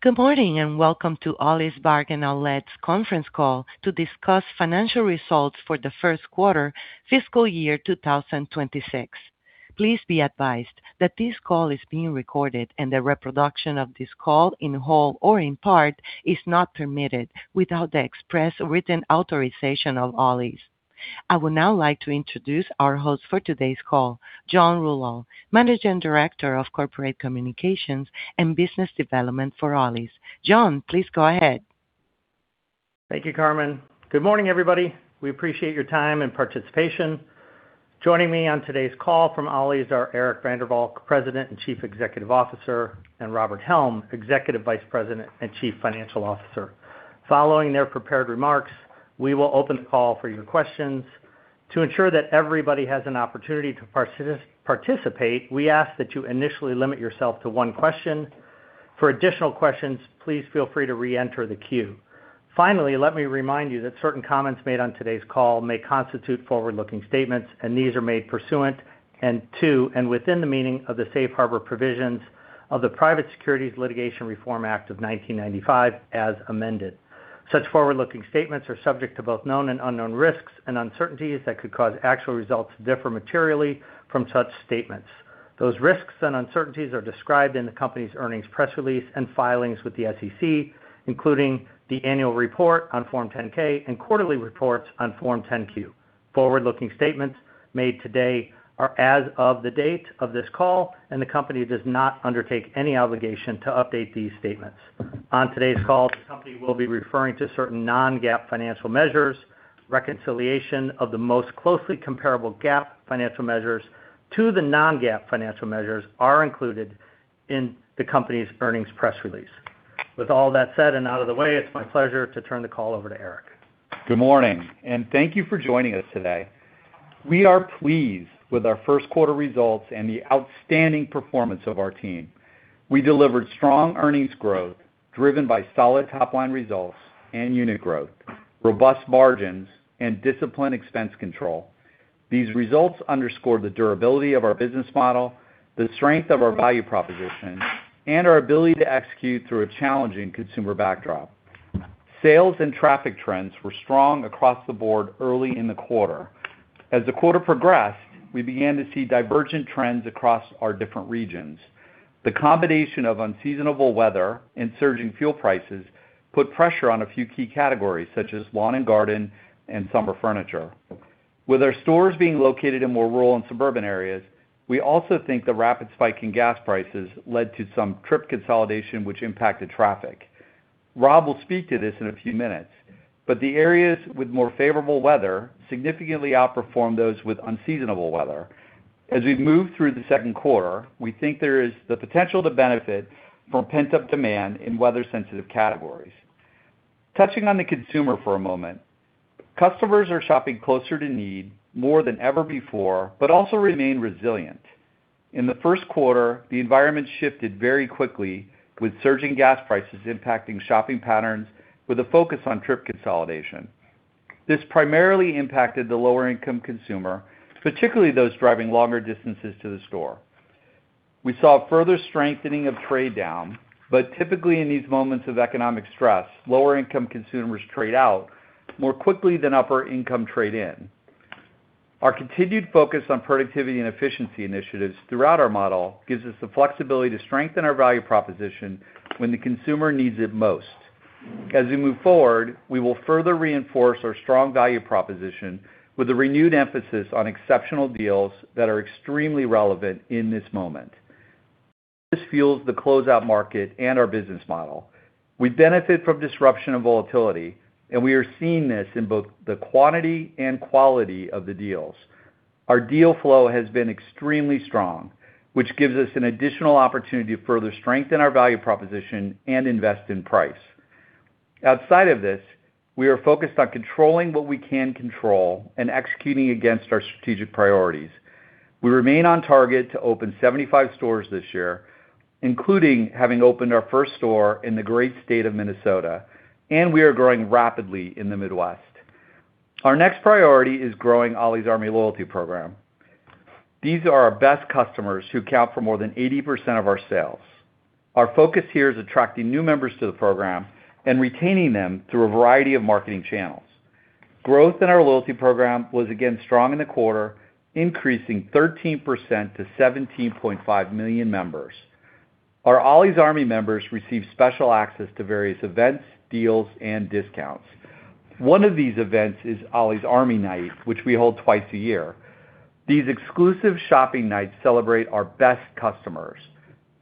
Good morning, welcome to Ollie's Bargain Outlet's conference call to discuss financial results for the first quarter fiscal year 2026. Please be advised that this call is being recorded, and the reproduction of this call in whole or in part is not permitted without the express written authorization of Ollie's. I would now like to introduce our host for today's call, John Rouleau, Managing Director of Corporate Communications and Business Development for Ollie's. John, please go ahead. Thank you, Carmen. Good morning, everybody. We appreciate your time and participation. Joining me on today's call from Ollie's are Eric van der Valk, President and Chief Executive Officer, and Robert Helm, Executive Vice President and Chief Financial Officer. Following their prepared remarks, we will open the call for your questions. To ensure that everybody has an opportunity to participate, we ask that you initially limit yourself to one question. For additional questions, please feel free to reenter the queue. Finally, let me remind you that certain comments made on today's call may constitute forward-looking statements, and these are made pursuant to, and within the meaning of the safe harbor provisions of the Private Securities Litigation Reform Act of 1995, as amended. Such forward-looking statements are subject to both known and unknown risks and uncertainties that could cause actual results to differ materially from such statements. Those risks and uncertainties are described in the company's earnings press release and filings with the SEC, including the annual report on Form 10-K and quarterly reports on Form 10-Q. Forward-looking statements made today are as of the date of this call, and the company does not undertake any obligation to update these statements. On today's call, the company will be referring to certain non-GAAP financial measures. Reconciliation of the most closely comparable GAAP financial measures to the non-GAAP financial measures are included in the company's earnings press release. With all that said and out of the way, it's my pleasure to turn the call over to Eric. Good morning, and thank you for joining us today. We are pleased with our first quarter results and the outstanding performance of our team. We delivered strong earnings growth driven by solid top-line results and unit growth, robust margins, and disciplined expense control. These results underscore the durability of our business model, the strength of our value proposition, and our ability to execute through a challenging consumer backdrop. Sales and traffic trends were strong across the board early in the quarter. As the quarter progressed, we began to see divergent trends across our different regions. The combination of unseasonable weather and surging fuel prices put pressure on a few key categories, such as Lawn and Garden and summer furniture. With our stores being located in more rural and suburban areas, we also think the rapid spike in gas prices led to some trip consolidation which impacted traffic. Rob will speak to this in a few minutes, but the areas with more favorable weather significantly outperformed those with unseasonable weather. As we move through the second quarter, we think there is the potential to benefit from pent-up demand in weather-sensitive categories. Touching on the consumer for a moment, customers are shopping closer to need more than ever before but also remain resilient. In the first quarter, the environment shifted very quickly with surging gas prices impacting shopping patterns with a focus on trip consolidation. This primarily impacted the lower-income consumer, particularly those driving longer distances to the store. We saw further strengthening of trade down, but typically in these moments of economic stress, lower-income consumers trade out more quickly than upper income trade in. Our continued focus on productivity and efficiency initiatives throughout our model gives us the flexibility to strengthen our value proposition when the consumer needs it most. As we move forward, we will further reinforce our strong value proposition with a renewed emphasis on exceptional deals that are extremely relevant in this moment. This fuels the closeout market and our business model. We benefit from disruption and volatility, and we are seeing this in both the quantity and quality of the deals. Our deal flow has been extremely strong, which gives us an additional opportunity to further strengthen our value proposition and invest in price. Outside of this, we are focused on controlling what we can control and executing against our strategic priorities. We remain on target to open 75 stores this year, including having opened our first store in the great state of Minnesota, and we are growing rapidly in the Midwest. Our next priority is growing Ollie's Army loyalty program. These are our best customers who account for more than 80% of our sales. Our focus here is attracting new members to the program and retaining them through a variety of marketing channels. Growth in our loyalty program was again strong in the quarter, increasing 13% to 17.5 million members. Our Ollie's Army members receive special access to various events, deals, and discounts. One of these events is Ollie's Army Night, which we hold twice a year. These exclusive shopping nights celebrate our best customers.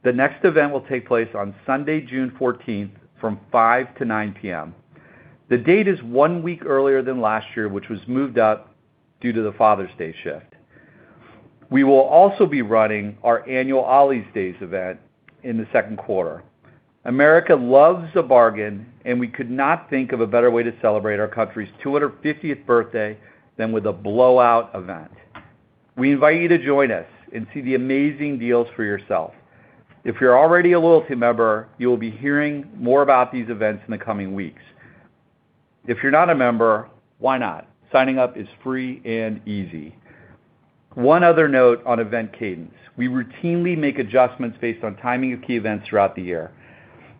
The next event will take place on Sunday, June 14th from 5:00 P.M.-9:00 P.M. The date is one week earlier than last year, which was moved up due to the Father's Day shift. We will also be running our annual Ollie's Army Days event in the second quarter. America loves a bargain, and we could not think of a better way to celebrate our country's 250th birthday than with a blowout event. We invite you to join us and see the amazing deals for yourself. If you're already a loyalty member, you will be hearing more about these events in the coming weeks. If you're not a member, why not? Signing up is free and easy. One other note on event cadence. We routinely make adjustments based on timing of key events throughout the year.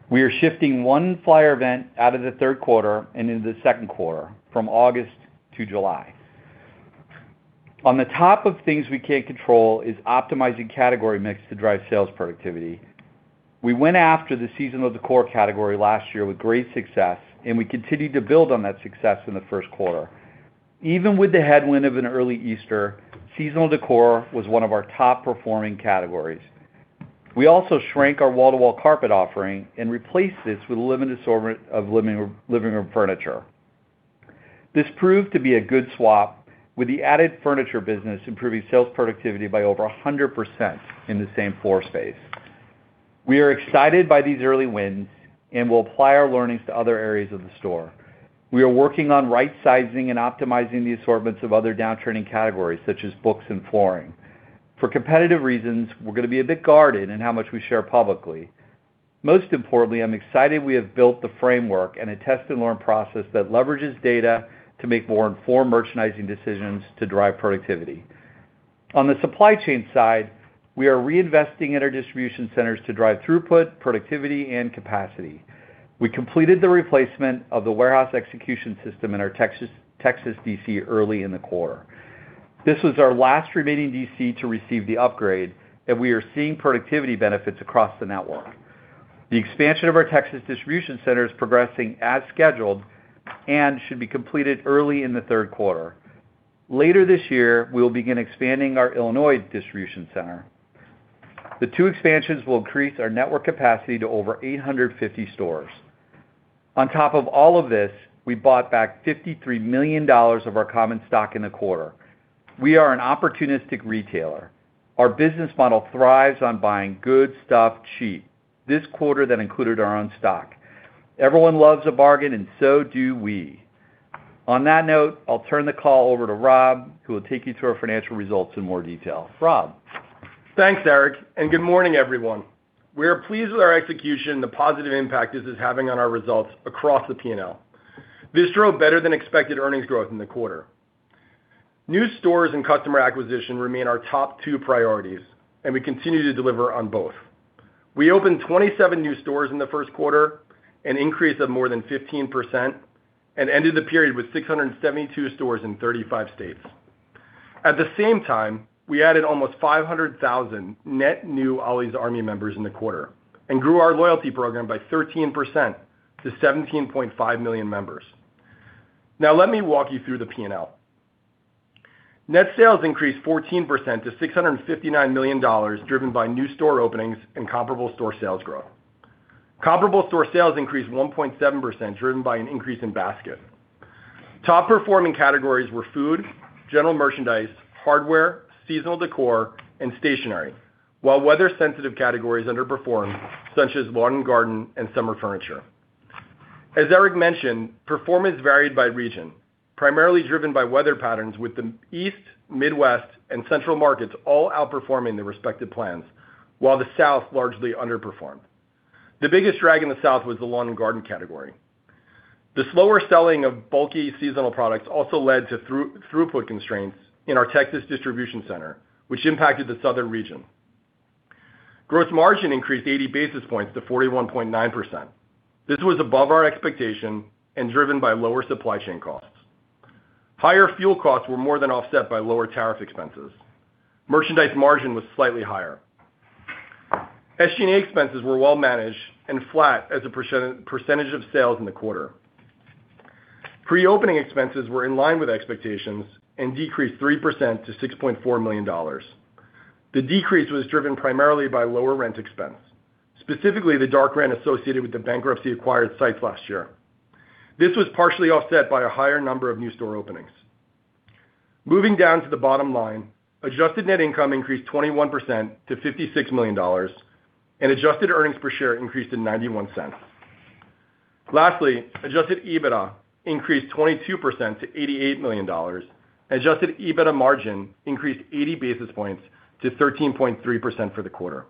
We are shifting one flyer event out of the third quarter and into the second quarter, from August to July. On the top of things we can't control is optimizing category mix to drive sales productivity. We went after the seasonal decor category last year with great success. We continued to build on that success in the first quarter. Even with the headwind of an early Easter, seasonal decor was one of our top-performing categories. We also shrank our wall-to-wall carpet offering and replaced this with an assortment of living room furniture. This proved to be a good swap, with the added furniture business improving sales productivity by over 100% in the same floor space. We are excited by these early wins and will apply our learnings to other areas of the store. We are working on rightsizing and optimizing the assortments of other downtrending categories, such as books and flooring. For competitive reasons, we're going to be a bit guarded in how much we share publicly. Most importantly, I'm excited we have built the framework and a test-and-learn process that leverages data to make more informed merchandising decisions to drive productivity. On the supply chain side, we are reinvesting in our distribution centers to drive throughput, productivity, and capacity. We completed the replacement of the warehouse execution system in our Texas DC early in the quarter. This was our last remaining DC to receive the upgrade, and we are seeing productivity benefits across the network. The expansion of our Texas distribution center is progressing as scheduled and should be completed early in the third quarter. Later this year, we will begin expanding our Illinois distribution center. The two expansions will increase our network capacity to over 850 stores. On top of all of this, we bought back $53 million of our common stock in the quarter. We are an opportunistic retailer. Our business model thrives on buying good stuff cheap. This quarter, that included our own stock. Everyone loves a bargain, and so do we. On that note, I'll turn the call over to Rob, who will take you through our financial results in more detail. Rob? Thanks, Eric. Good morning, everyone. We are pleased with our execution and the positive impact this is having on our results across the P&L. This drove better than expected earnings growth in the quarter. New stores and customer acquisition remain our top two priorities, and we continue to deliver on both. We opened 27 new stores in the first quarter, an increase of more than 15%, and ended the period with 672 stores in 35 states. At the same time, we added almost 500,000 net new Ollie's Army members in the quarter and grew our loyalty program by 13% to 17.5 million members. Now, let me walk you through the P&L. Net sales increased 14% to $659 million, driven by new store openings and comparable store sales growth. Comparable store sales increased 1.7%, driven by an increase in basket. Top performing categories were food, general merchandise, hardware, seasonal decor, and stationery. While weather-sensitive categories underperformed, such as Lawn and Garden and summer furniture. As Eric mentioned, performance varied by region, primarily driven by weather patterns with the East, Midwest, and central markets all outperforming their respective plans, while the South largely underperformed. The biggest drag in the South was the Lawn and Garden category. The slower selling of bulky seasonal products also led to throughput constraints in our Texas distribution center, which impacted the southern region. Gross margin increased 80 basis points to 41.9%. This was above our expectation and driven by lower supply chain costs. Higher fuel costs were more than offset by lower tariff expenses. Merchandise margin was slightly higher. SG&A expenses were well managed and flat as a percentage of sales in the quarter. Pre-opening expenses were in line with expectations and decreased 3% to $6.4 million. The decrease was driven primarily by lower rent expense, specifically the dark rent associated with the bankruptcy-acquired sites last year. This was partially offset by a higher number of new store openings. Moving down to the bottom line, adjusted net income increased 21% to $56 million, and adjusted earnings per share increased to $0.91. Lastly, adjusted EBITDA increased 22% to $88 million, and adjusted EBITDA margin increased 80 basis points to 13.3% for the quarter.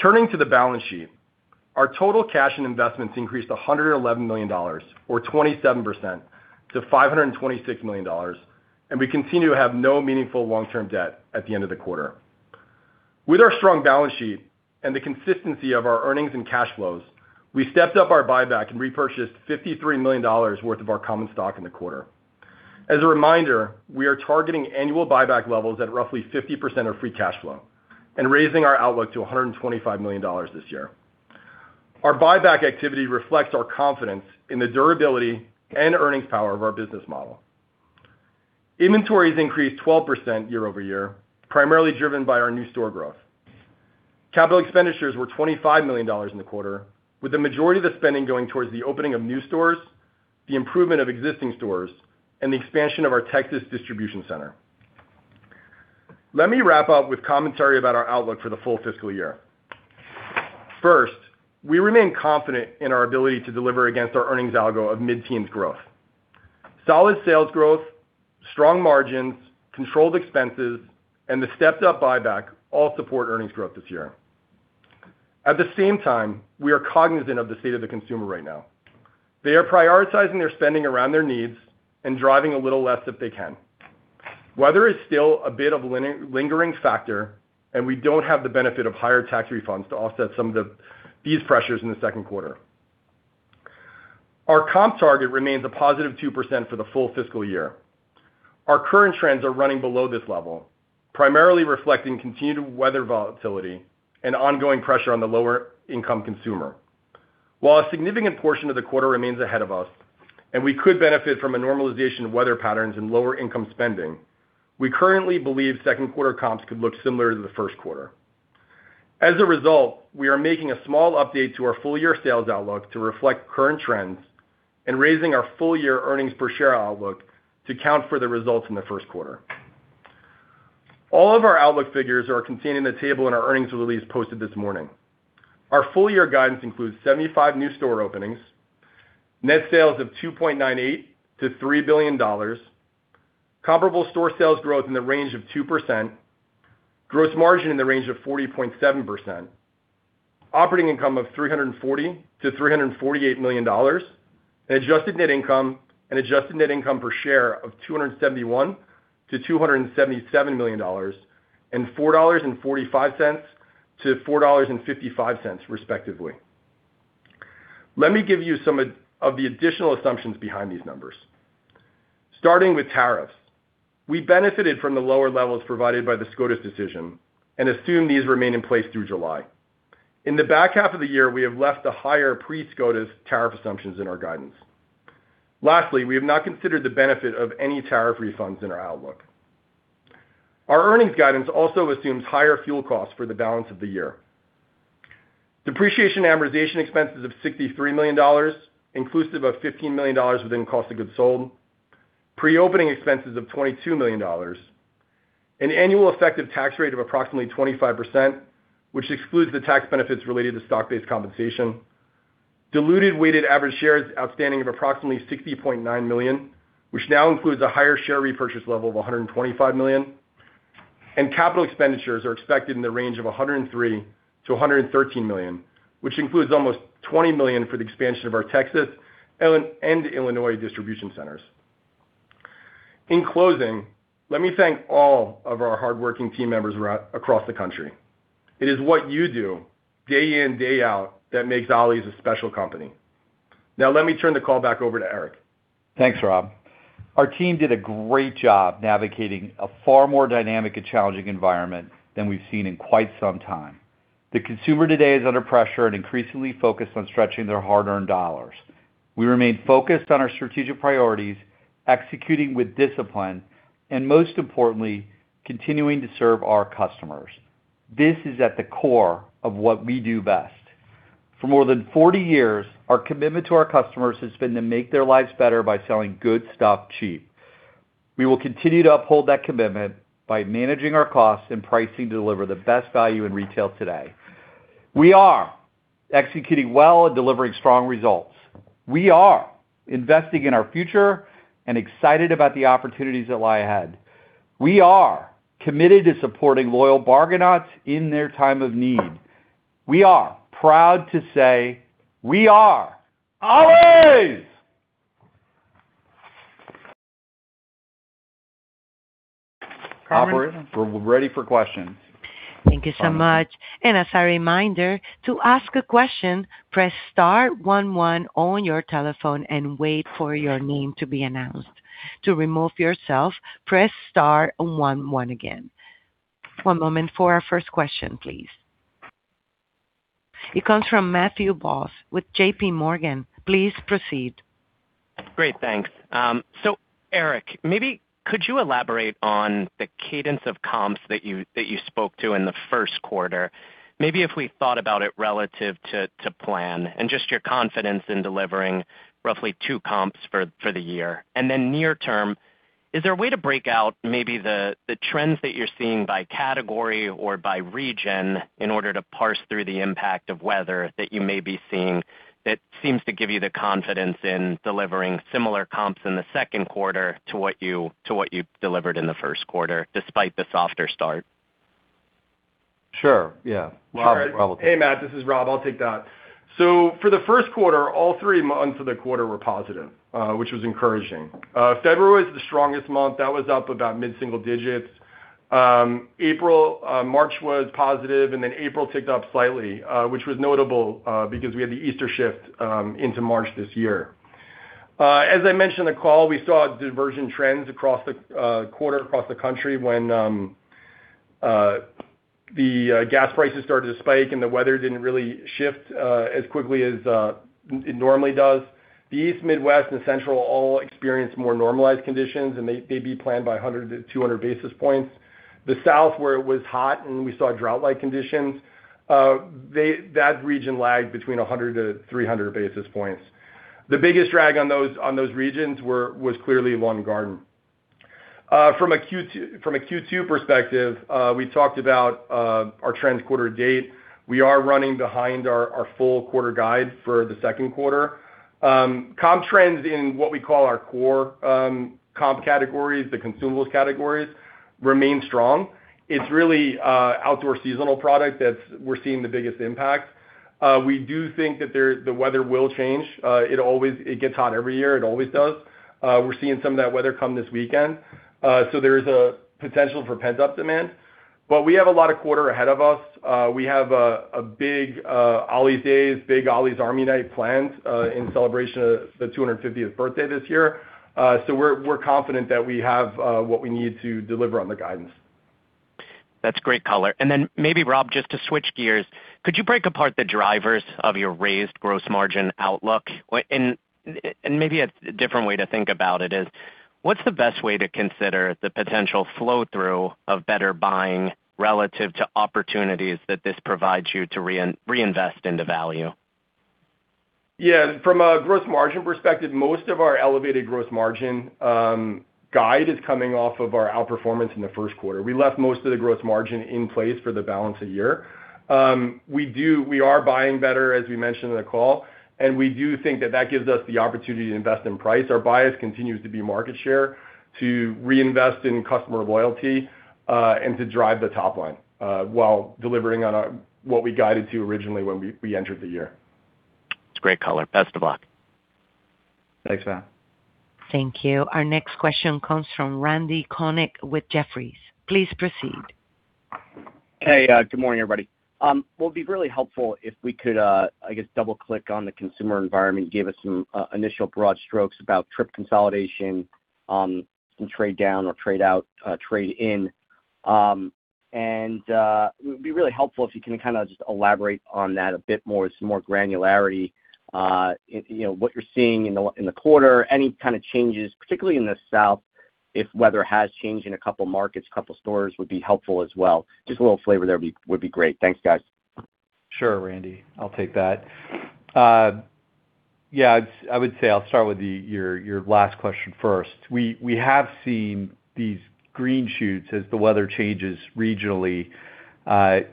Turning to the balance sheet, our total cash and investments increased to $111 million, or 27%, to $526 million, and we continue to have no meaningful long-term debt at the end of the quarter. With our strong balance sheet and the consistency of our earnings and cash flows, we stepped up our buyback and repurchased $53 million worth of our common stock in the quarter. As a reminder, we are targeting annual buyback levels at roughly 50% of free cash flow and raising our outlook to $125 million this year. Our buyback activity reflects our confidence in the durability and earnings power of our business model. Inventories increased 12% year-over-year, primarily driven by our new store growth. Capital expenditures were $25 million in the quarter, with the majority of the spending going towards the opening of new stores, the improvement of existing stores, and the expansion of our Texas distribution center. Let me wrap up with commentary about our outlook for the full fiscal year. First, we remain confident in our ability to deliver against our earnings algo of mid-teens growth. Solid sales growth, strong margins, controlled expenses, and the stepped up buyback all support earnings growth this year. At the same time, we are cognizant of the state of the consumer right now. They are prioritizing their spending around their needs and driving a little less if they can. Weather is still a bit of a lingering factor, and we don't have the benefit of higher tax refunds to offset some of these pressures in the second quarter. Our comp target remains a +2% for the full fiscal year. Our current trends are running below this level, primarily reflecting continued weather volatility and ongoing pressure on the lower income consumer. While a significant portion of the quarter remains ahead of us, and we could benefit from a normalization of weather patterns and lower income spending, we currently believe second quarter comps could look similar to the first quarter. As a result, we are making a small update to our full year sales outlook to reflect current trends and raising our full year earnings per share outlook to account for the results in the first quarter. All of our outlook figures are contained in the table in our earnings release posted this morning. Our full year guidance includes 75 new store openings, net sales of $2.98 billion-$3 billion, comparable store sales growth in the range of 2%, gross margin in the range of 40.7%, operating income of $340 million-$348 million, and adjusted net income per share of $271 million-$277 million, and $4.45-$4.55, respectively. Let me give you some of the additional assumptions behind these numbers. Starting with tariffs, we benefited from the lower levels provided by the SCOTUS decision and assume these remain in place through July. In the back half of the year, we have left the higher pre-SCOTUS tariff assumptions in our guidance. Lastly, we have not considered the benefit of any tariff refunds in our outlook. Our earnings guidance also assumes higher fuel costs for the balance of the year. Depreciation and amortization expenses of $63 million, inclusive of $15 million within cost of goods sold, pre-opening expenses of $22 million, an annual effective tax rate of approximately 25%, which excludes the tax benefits related to stock-based compensation, diluted weighted average shares outstanding of approximately 60.9 million, which now includes a higher share repurchase level of $125 million, and capital expenditures are expected in the range of $103 million-$113 million, which includes almost $20 million for the expansion of our Texas and Illinois distribution centers. In closing, let me thank all of our hardworking team members across the country. It is what you do day in, day out that makes Ollie's a special company. Now, let me turn the call back over to Eric. Thanks, Rob. Our team did a great job navigating a far more dynamic and challenging environment than we've seen in quite some time. The consumer today is under pressure and increasingly focused on stretching their hard-earned dollars. We remain focused on our strategic priorities, executing with discipline, and most importantly, continuing to serve our customers. This is at the core of what we do best. For more than 40 years, our commitment to our customers has been to make their lives better by selling good stuff cheap. We will continue to uphold that commitment by managing our costs and pricing to deliver the best value in retail today. We are executing well and delivering strong results. We are investing in our future and excited about the opportunities that lie ahead. We are committed to supporting loyal Bargainauts in their time of need. We are proud to say we are Ollie's. Operator, we're ready for questions. Thank you so much. As a reminder, to ask a question, press star one one on your telephone and wait for your name to be announced. To remove yourself, press star one one again. One moment for our first question, please. It comes from Matthew Boss with JPMorgan. Please proceed. Great, thanks. Eric, maybe could you elaborate on the cadence of comps that you spoke to in the first quarter? Maybe if we thought about it relative to plan and just your confidence in delivering roughly two comps for the year. Near term, is there a way to break out maybe the trends that you're seeing by category or by region in order to parse through the impact of weather that you may be seeing that seems to give you the confidence in delivering similar comps in the second quarter to what you delivered in the first quarter, despite the softer start? Sure. Yeah. Rob will take that. Hey, Matt, this is Rob. I'll take that. For the first quarter, all three months of the quarter were positive, which was encouraging. February was the strongest month. That was up about mid-single digits. March was positive, and then April ticked up slightly, which was notable, because we had the Easter shift into March this year. As I mentioned in the call, we saw diversion trends across the quarter, across the country when the gas prices started to spike and the weather didn't really shift as quickly as it normally does. The East, Midwest, and Central all experienced more normalized conditions, and they beat plan by 100 basis points-200 basis points. The South, where it was hot and we saw drought-like conditions, that region lagged between 100 basis points-300 basis points. The biggest drag on those regions was clearly Lawn and Garden. Q2 perspective, we talked about our trends quarter to date. We are running behind our full quarter guide for the second quarter. Comp trends in what we call our core comp categories, the consumables categories remain strong. It's really outdoor seasonal product that we're seeing the biggest impact. We do think that the weather will change. It gets hot every year. It always does. We're seeing some of that weather come this weekend. There is a potential for pent-up demand. We have a lot of quarter ahead of us. We have a big Ollie's Days, big Ollie's Army Night planned in celebration of the 250th birthday this year. We're confident that we have what we need to deliver on the guidance. That's great color. Maybe, Rob, just to switch gears, could you break apart the drivers of your raised gross margin outlook? Maybe a different way to think about it is, what's the best way to consider the potential flow-through of better buying relative to opportunities that this provides you to reinvest into value? Yeah. From a gross margin perspective, most of our elevated gross margin guide is coming off of our outperformance in the first quarter. We left most of the gross margin in place for the balance of the year. We are buying better, as we mentioned in the call, and we do think that gives us the opportunity to invest in price. Our bias continues to be market share, to reinvest in customer loyalty, and to drive the top line while delivering on what we guided to originally when we entered the year. That's great color. Best of luck. Thanks, Matt. Thank you. Our next question comes from Randal Konik with Jefferies. Please proceed. Hey, good morning, everybody. It would be really helpful if we could, I guess, double-click on the consumer environment and give us some initial broad strokes about trip consolidation, some trade down or trade out, trade in. It would be really helpful if you can kind of just elaborate on that a bit more, some more granularity, what you're seeing in the quarter, any kind of changes, particularly in the south, if weather has changed in a couple markets, couple stores would be helpful as well. Just a little flavor there would be great. Thanks, guys. Sure, Randy. I'll take that. Yeah, I would say I'll start with your last question first. We have seen these green shoots as the weather changes regionally,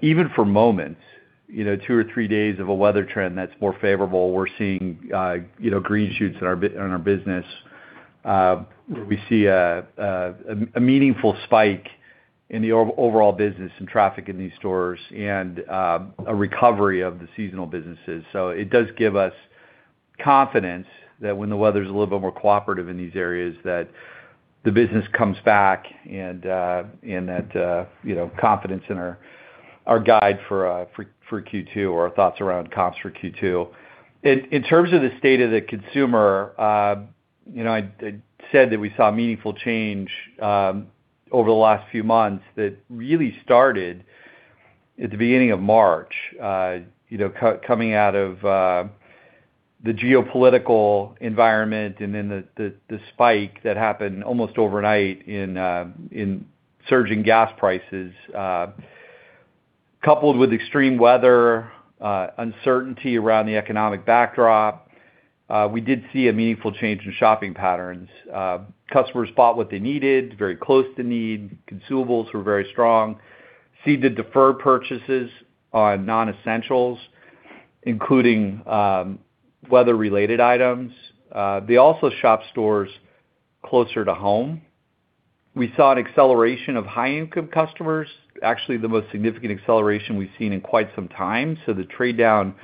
even for moments, two or three days of a weather trend that's more favorable. We're seeing green shoots in our business where we see a meaningful spike in the overall business and traffic in these stores and a recovery of the seasonal businesses. It does give us confidence that when the weather's a little bit more cooperative in these areas, that the business comes back and that confidence in our guide for Q2 or our thoughts around comps for Q2. In terms of the state of the consumer, I said that we saw meaningful change over the last few months that really started at the beginning of March coming out of the geopolitical environment and then the spike that happened almost overnight in surging gas prices coupled with extreme weather, uncertainty around the economic backdrop. We did see a meaningful change in shopping patterns. Customers bought what they needed, very close to need. Consumables were very strong. We see the deferred purchases on non-essentials, including weather-related items. They also shop stores closer to home. We saw an acceleration of high-income customers, actually the most significant acceleration we've seen in quite some time. The trade down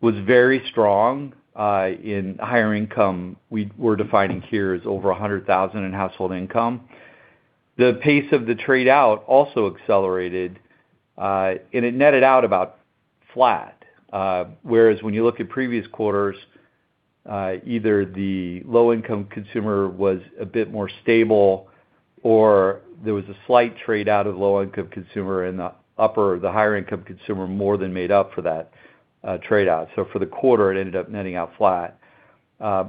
was very strong in higher income. We're defining here as over $100,000 in household income. The pace of the trade out also accelerated and it netted out about flat. Whereas when you look at previous quarters, either the low-income consumer was a bit more stable or there was a slight trade out of low-income consumer and the higher income consumer more than made up for that trade out. For the quarter, it ended up netting out flat.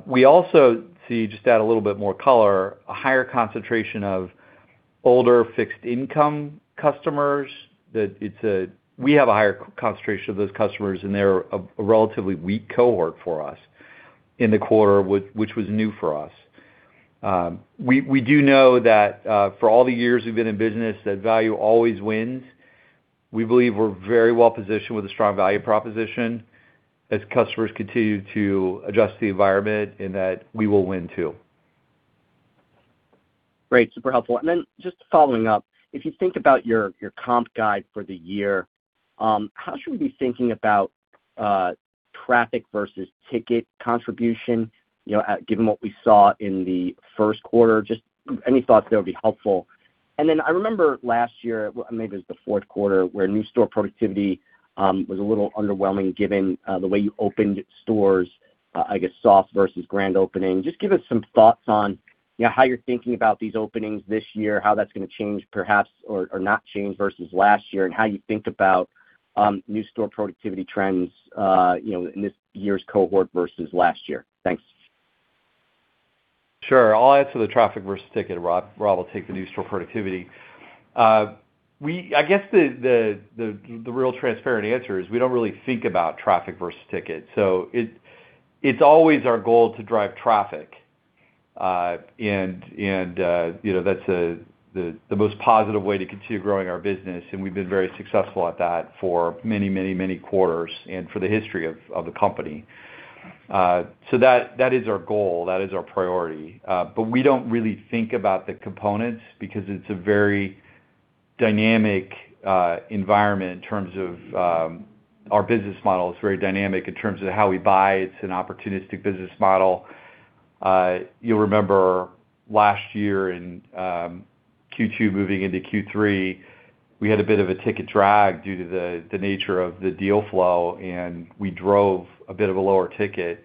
We also see, just to add a little bit more color, a higher concentration of older fixed income customers. We have a higher concentration of those customers and they're a relatively weak cohort for us in the quarter, which was new for us. We do know that for all the years we've been in business, that value always wins. We believe we're very well positioned with a strong value proposition as customers continue to adjust to the environment and that we will win, too. Great. Super helpful. Then just following up, if you think about your comp guide for the year, how should we be thinking about traffic versus ticket contribution given what we saw in the first quarter? Just any thoughts there would be helpful. Then I remember last year, maybe it was the fourth quarter, where new store productivity was a little underwhelming given the way you opened stores, I guess soft versus grand opening. Just give us some thoughts on how you're thinking about these openings this year, how that's going to change perhaps or not change versus last year and how you think about new store productivity trends in this year's cohort versus last year. Thanks. Sure. I'll answer the traffic versus ticket. Rob will take the new store productivity. I guess the real transparent answer is we don't really think about traffic versus ticket. It's always our goal to drive traffic and that's the most positive way to continue growing our business and we've been very successful at that for many quarters and for the history of the company. That is our goal, that is our priority. We don't really think about the components because it's a very dynamic environment in terms of our business model. It's very dynamic in terms of how we buy. It's an opportunistic business model. You'll remember last year in Q2 moving into Q3, we had a bit of a ticket drag due to the nature of the deal flow, we drove a bit of a lower ticket,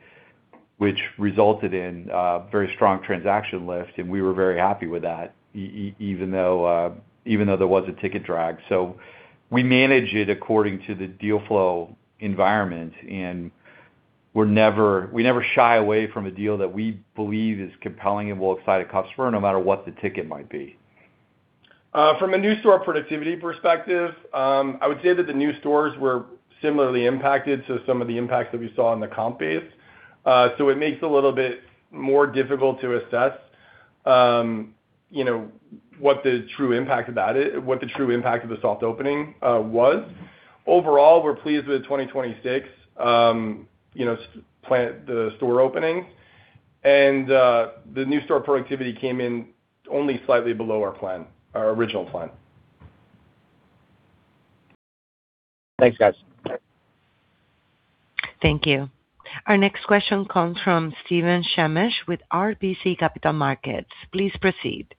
which resulted in a very strong transaction lift, we were very happy with that, even though there was a ticket drag. We manage it according to the deal flow environment, we never shy away from a deal that we believe is compelling and will excite a customer no matter what the ticket might be. From a new store productivity perspective, I would say that the new stores were similarly impacted, so some of the impacts that we saw on the comp base. It makes it a little bit more difficult to assess what the true impact of the soft opening was. Overall, we're pleased with the 2026 store openings. The new store productivity came in only slightly below our original plan. Thanks, guys. Thank you. Our next question comes from Steven Shemesh with RBC Capital Markets. Please proceed.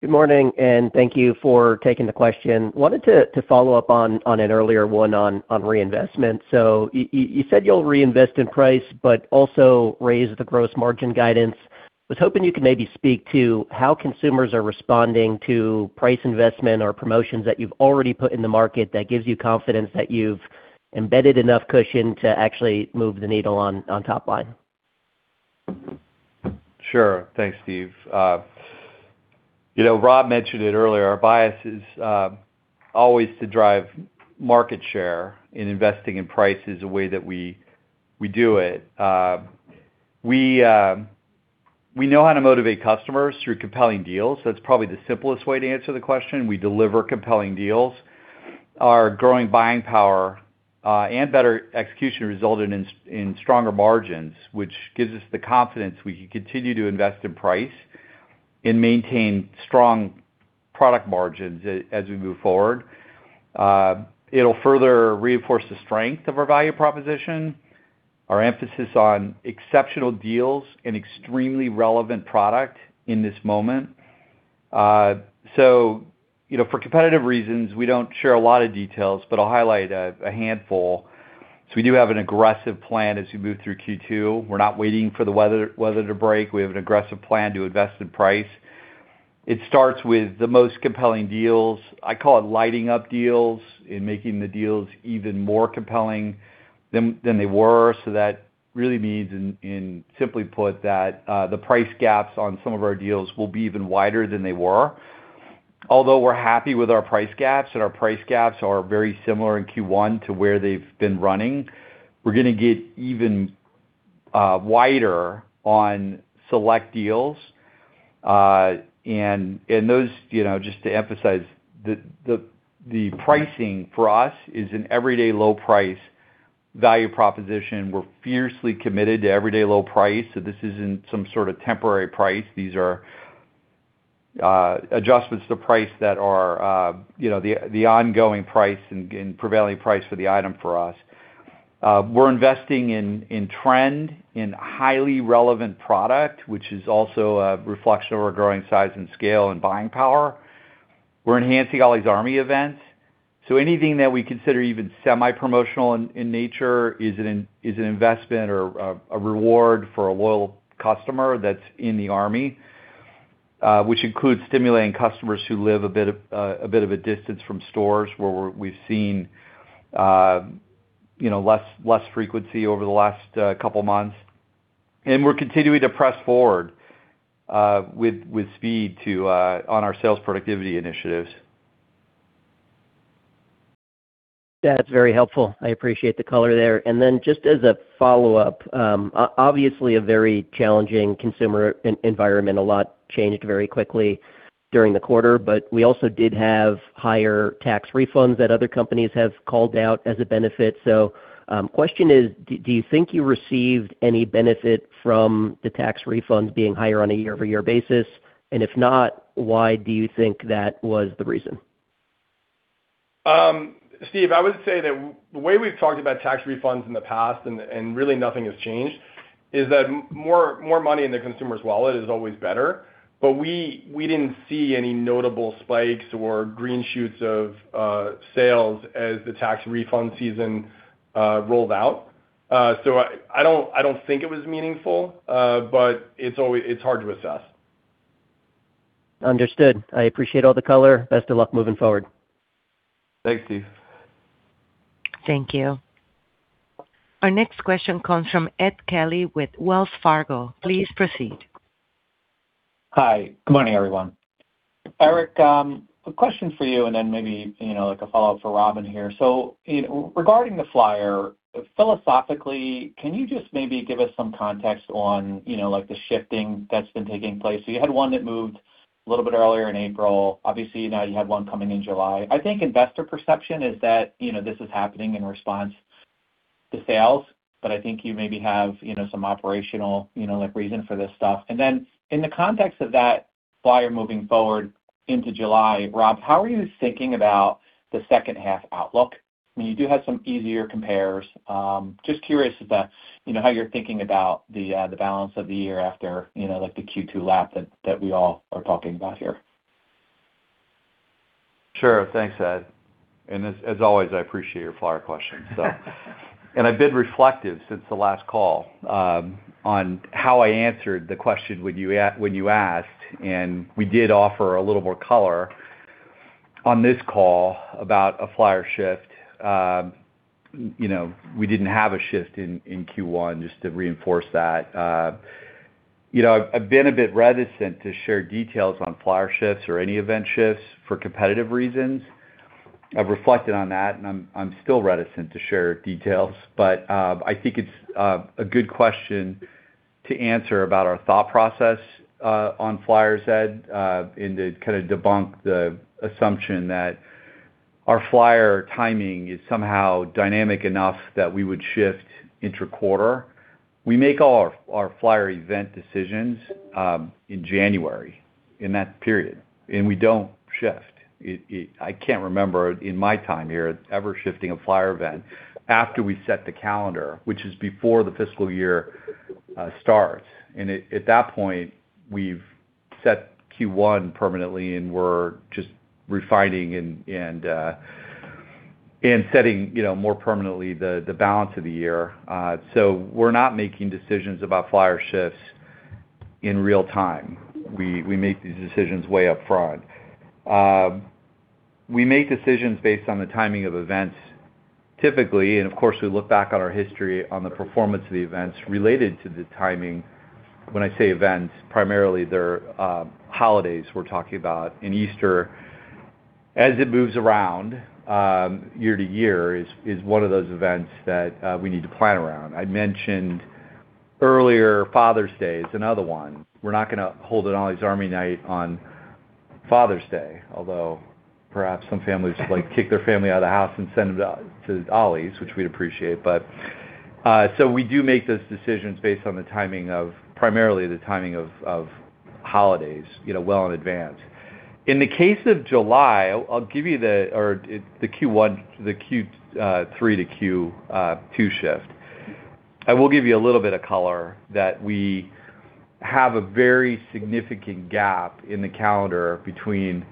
Good morning. Thank you for taking the question. I wanted to follow up on an earlier one on reinvestment. You said you'll reinvest in price but also raise the gross margin guidance. I was hoping you could maybe speak to how consumers are responding to price investment or promotions that you've already put in the market that gives you confidence that you've embedded enough cushion to actually move the needle on top line. Sure. Thanks, Steve. Rob mentioned it earlier, our bias is always to drive market share, and investing in price is a way that we do it. We know how to motivate customers through compelling deals. That's probably the simplest way to answer the question. We deliver compelling deals. Our growing buying power and better execution resulted in stronger margins, which gives us the confidence we can continue to invest in price and maintain strong product margins as we move forward. It'll further reinforce the strength of our value proposition, our emphasis on exceptional deals and extremely relevant product in this moment. For competitive reasons, we don't share a lot of details, but I'll highlight a handful. We do have an aggressive plan as we move through Q2. We're not waiting for the weather to break. We have an aggressive plan to invest in price. It starts with the most compelling deals. I call it lighting up deals and making the deals even more compelling than they were. That really means, and simply put, that the price gaps on some of our deals will be even wider than they were. Although we're happy with our price gaps, and our price gaps are very similar in Q1 to where they've been running, we're going to get even wider on select deals. Those, just to emphasize, the pricing for us is an everyday low price value proposition. We're fiercely committed to everyday low price. This isn't some sort of temporary price. These are adjustments to price that are the ongoing price and prevailing price for the item for us. We're investing in trend, in highly relevant product, which is also a reflection of our growing size and scale and buying power. We're enhancing Ollie's Army events. Anything that we consider even semi-promotional in nature is an investment or a reward for a loyal customer that's in the Army, which includes stimulating customers who live a bit of a distance from stores, where we've seen less frequency over the last couple of months. We're continuing to press forward with speed on our sales productivity initiatives. That's very helpful. I appreciate the color there. Just as a follow-up, obviously a very challenging consumer environment. A lot changed very quickly during the quarter, we also did have higher tax refunds that other companies have called out as a benefit. Question is, do you think you received any benefit from the tax refunds being higher on a year-over-year basis? If not, why do you think that was the reason? Steve, I would say that the way we've talked about tax refunds in the past, and really nothing has changed, is that more money in the consumer's wallet is always better. We didn't see any notable spikes or green shoots of sales as the tax refund season rolled out. I don't think it was meaningful, but it's hard to assess. Understood. I appreciate all the color. Best of luck moving forward. Thanks, Steve. Thank you. Our next question comes from Ed Kelly with Wells Fargo. Please proceed. Hi. Good morning, everyone. Eric, a question for you, and then maybe like a follow-up for Rob here. Regarding the flyer, philosophically, can you just maybe give us some context on the shifting that's been taking place? You had one that moved a little bit earlier in April. Obviously, now you have one coming in July. I think investor perception is that this is happening in response the sales, but I think you maybe have some operational reason for this stuff. In the context of that flyer moving forward into July, Rob, how are you thinking about the second half outlook? I mean, you do have some easier compares. Just curious about how you're thinking about the balance of the year after the Q2 lap that we all are talking about here. Sure. Thanks, Ed. As always, I appreciate your flyer question. I've been reflective since the last call on how I answered the question when you asked, and we did offer a little more color on this call about a flyer shift. We didn't have a shift in Q1, just to reinforce that. I've been a bit reticent to share details on flyer shifts or any event shifts for competitive reasons. I've reflected on that, and I'm still reticent to share details. I think it's a good question to answer about our thought process on flyers, Ed, and to kind of debunk the assumption that our flyer timing is somehow dynamic enough that we would shift intra-quarter. We make all our flyer event decisions in January, in that period, and we don't shift. I can't remember in my time here ever shifting a flyer event after we set the calendar, which is before the fiscal year starts. At that point, we've set Q1 permanently, and we're just refining and setting more permanently the balance of the year. We're not making decisions about flyer shifts in real time. We make these decisions way upfront. We make decisions based on the timing of events, typically, and of course, we look back on our history on the performance of the events related to the timing. When I say events, primarily they're holidays we're talking about. Easter, as it moves around year to year, is one of those events that we need to plan around. I mentioned earlier, Father's Day is another one. We're not going to hold an Ollie's Army Night on Father's Day, although perhaps some families like to kick their family out of the house and send them to Ollie's, which we'd appreciate. We do make those decisions based on primarily the timing of holidays, well in advance. In the case of July, the Q3 to Q2 shift, I will give you a little bit of color that we have a very significant gap in the calendar between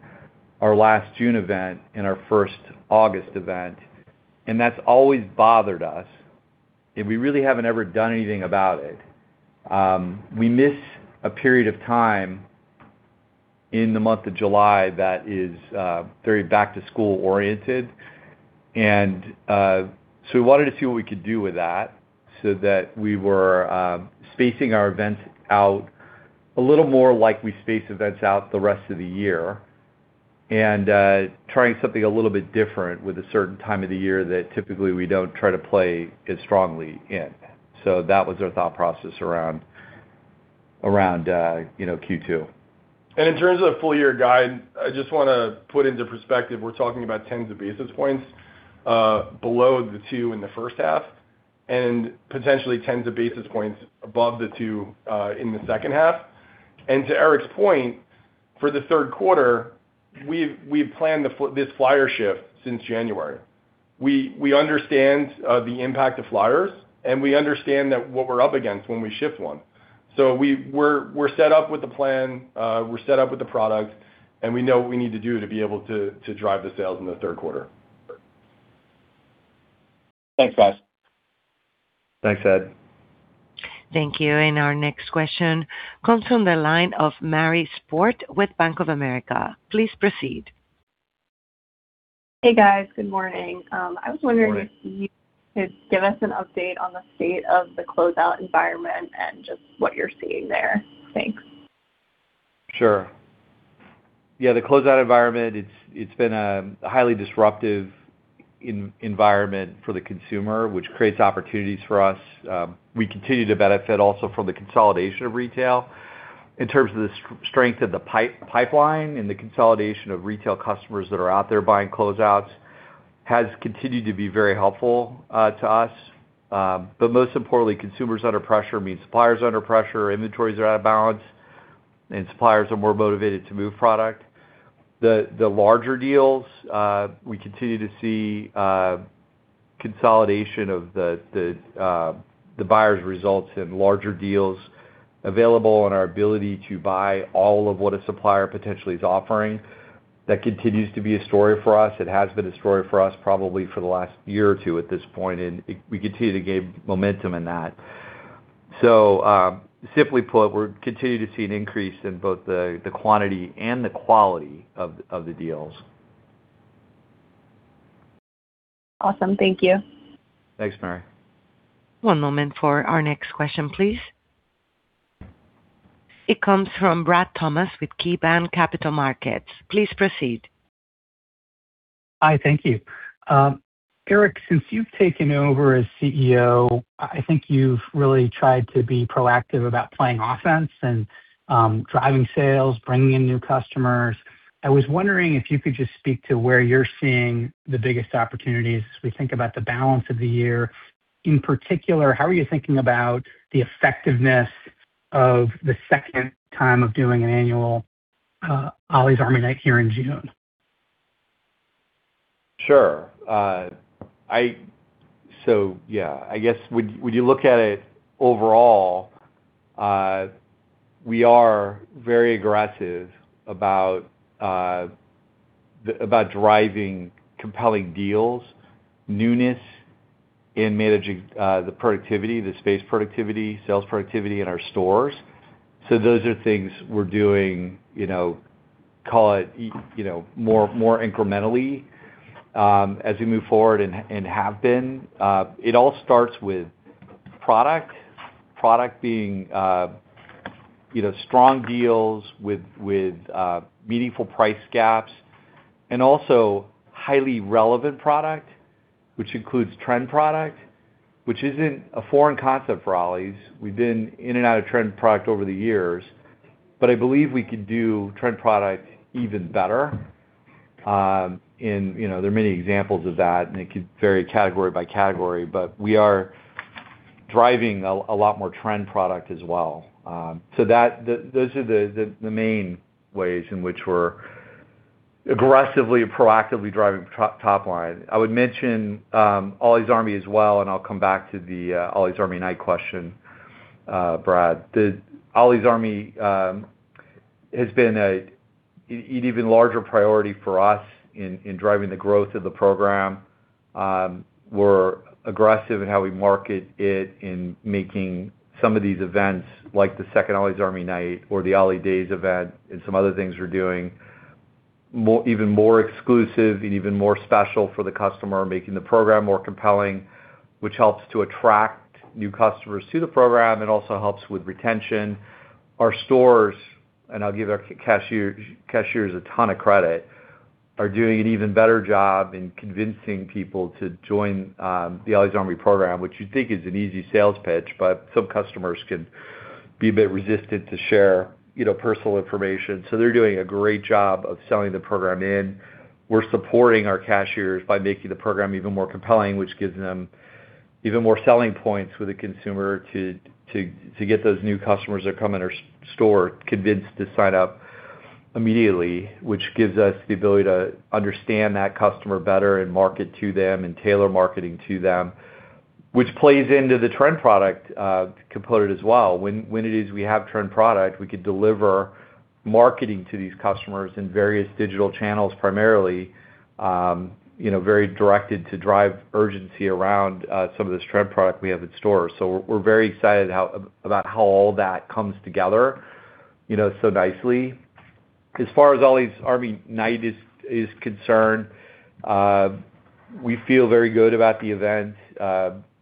our last June event and our first August event, and that's always bothered us, and we really haven't ever done anything about it. We miss a period of time in the month of July that is very back to school oriented. We wanted to see what we could do with that so that we were spacing our events out a little more like we space events out the rest of the year, and trying something a little bit different with a certain time of the year that typically we don't try to play as strongly in. That was our thought process around Q2. In terms of the full year guide, I just want to put into perspective, we're talking about tens of basis points below the two in the first half, potentially tens of basis points above the two in the second half. To Eric's point, for the third quarter, we've planned this flyer shift since January. We understand the impact of flyers, and we understand what we're up against when we shift one. We're set up with the plan, we're set up with the product, and we know what we need to do to be able to drive the sales in the third quarter. Thanks, guys. Thanks, Ed. Thank you. Our next question comes from the line of Mary Sport with Bank of America. Please proceed. Hey, guys. Good morning. Good morning. I was wondering if you could give us an update on the state of the closeout environment and just what you're seeing there. Thanks. Sure. Yeah, the closeout environment, it's been a highly disruptive environment for the consumer, which creates opportunities for us. We continue to benefit also from the consolidation of retail. In terms of the strength of the pipeline and the consolidation of retail customers that are out there buying closeouts has continued to be very helpful to us. Most importantly, consumers under pressure means suppliers under pressure. Inventories are out of balance, and suppliers are more motivated to move product. The larger deals, we continue to see consolidation of the buyers results in larger deals available and our ability to buy all of what a supplier potentially is offering. That continues to be a story for us. It has been a story for us probably for the last year or two at this point, and we continue to gain momentum in that. Simply put, we continue to see an increase in both the quantity and the quality of the deals. Awesome. Thank you. Thanks, Mary. One moment for our next question, please. It comes from Brad Thomas with KeyBanc Capital Markets. Please proceed. Hi. Thank you. Eric, since you've taken over as CEO, I think you've really tried to be proactive about playing offense and driving sales, bringing in new customers. I was wondering if you could just speak to where you're seeing the biggest opportunities as we think about the balance of the year. In particular, how are you thinking about the effectiveness of the second time of doing an annual Ollie's Army Night here in June. Sure. Yeah, I guess when you look at it overall, we are very aggressive about driving compelling deals, newness, and managing the space productivity, sales productivity in our stores. Those are things we're doing, call it, more incrementally as we move forward and have been. It all starts with product. Product being strong deals with meaningful price gaps and also highly relevant product, which includes trend product, which isn't a foreign concept for Ollie's. We've been in and out of trend product over the years, but I believe we could do trend product even better. There are many examples of that, and it could vary category by category, but we are driving a lot more trend product as well. Those are the main ways in which we're aggressively, proactively driving top line. I would mention Ollie's Army as well, and I'll come back to the Ollie's Army Night question, Brad. The Ollie's Army has been an even larger priority for us in driving the growth of the program. We're aggressive in how we market it in making some of these events, like the second Ollie's Army Night or the Ollie's Days event and some other things we're doing, even more exclusive and even more special for the customer, making the program more compelling, which helps to attract new customers to the program and also helps with retention. Our stores, and I'll give our cashiers a ton of credit, are doing an even better job in convincing people to join, the Ollie's Army program, which you'd think is an easy sales pitch, but some customers can be a bit resistant to share personal information. They're doing a great job of selling the program in. We're supporting our cashiers by making the program even more compelling, which gives them even more selling points with the consumer to get those new customers that come in our store convinced to sign up immediately, which gives us the ability to understand that customer better and market to them and tailor marketing to them, which plays into the trend product component as well. When it is we have trend product, we could deliver marketing to these customers in various digital channels, primarily, very directed to drive urgency around some of this trend product we have at store. We're very excited about how all that comes together so nicely. As far as Ollie's Army Night is concerned, we feel very good about the event.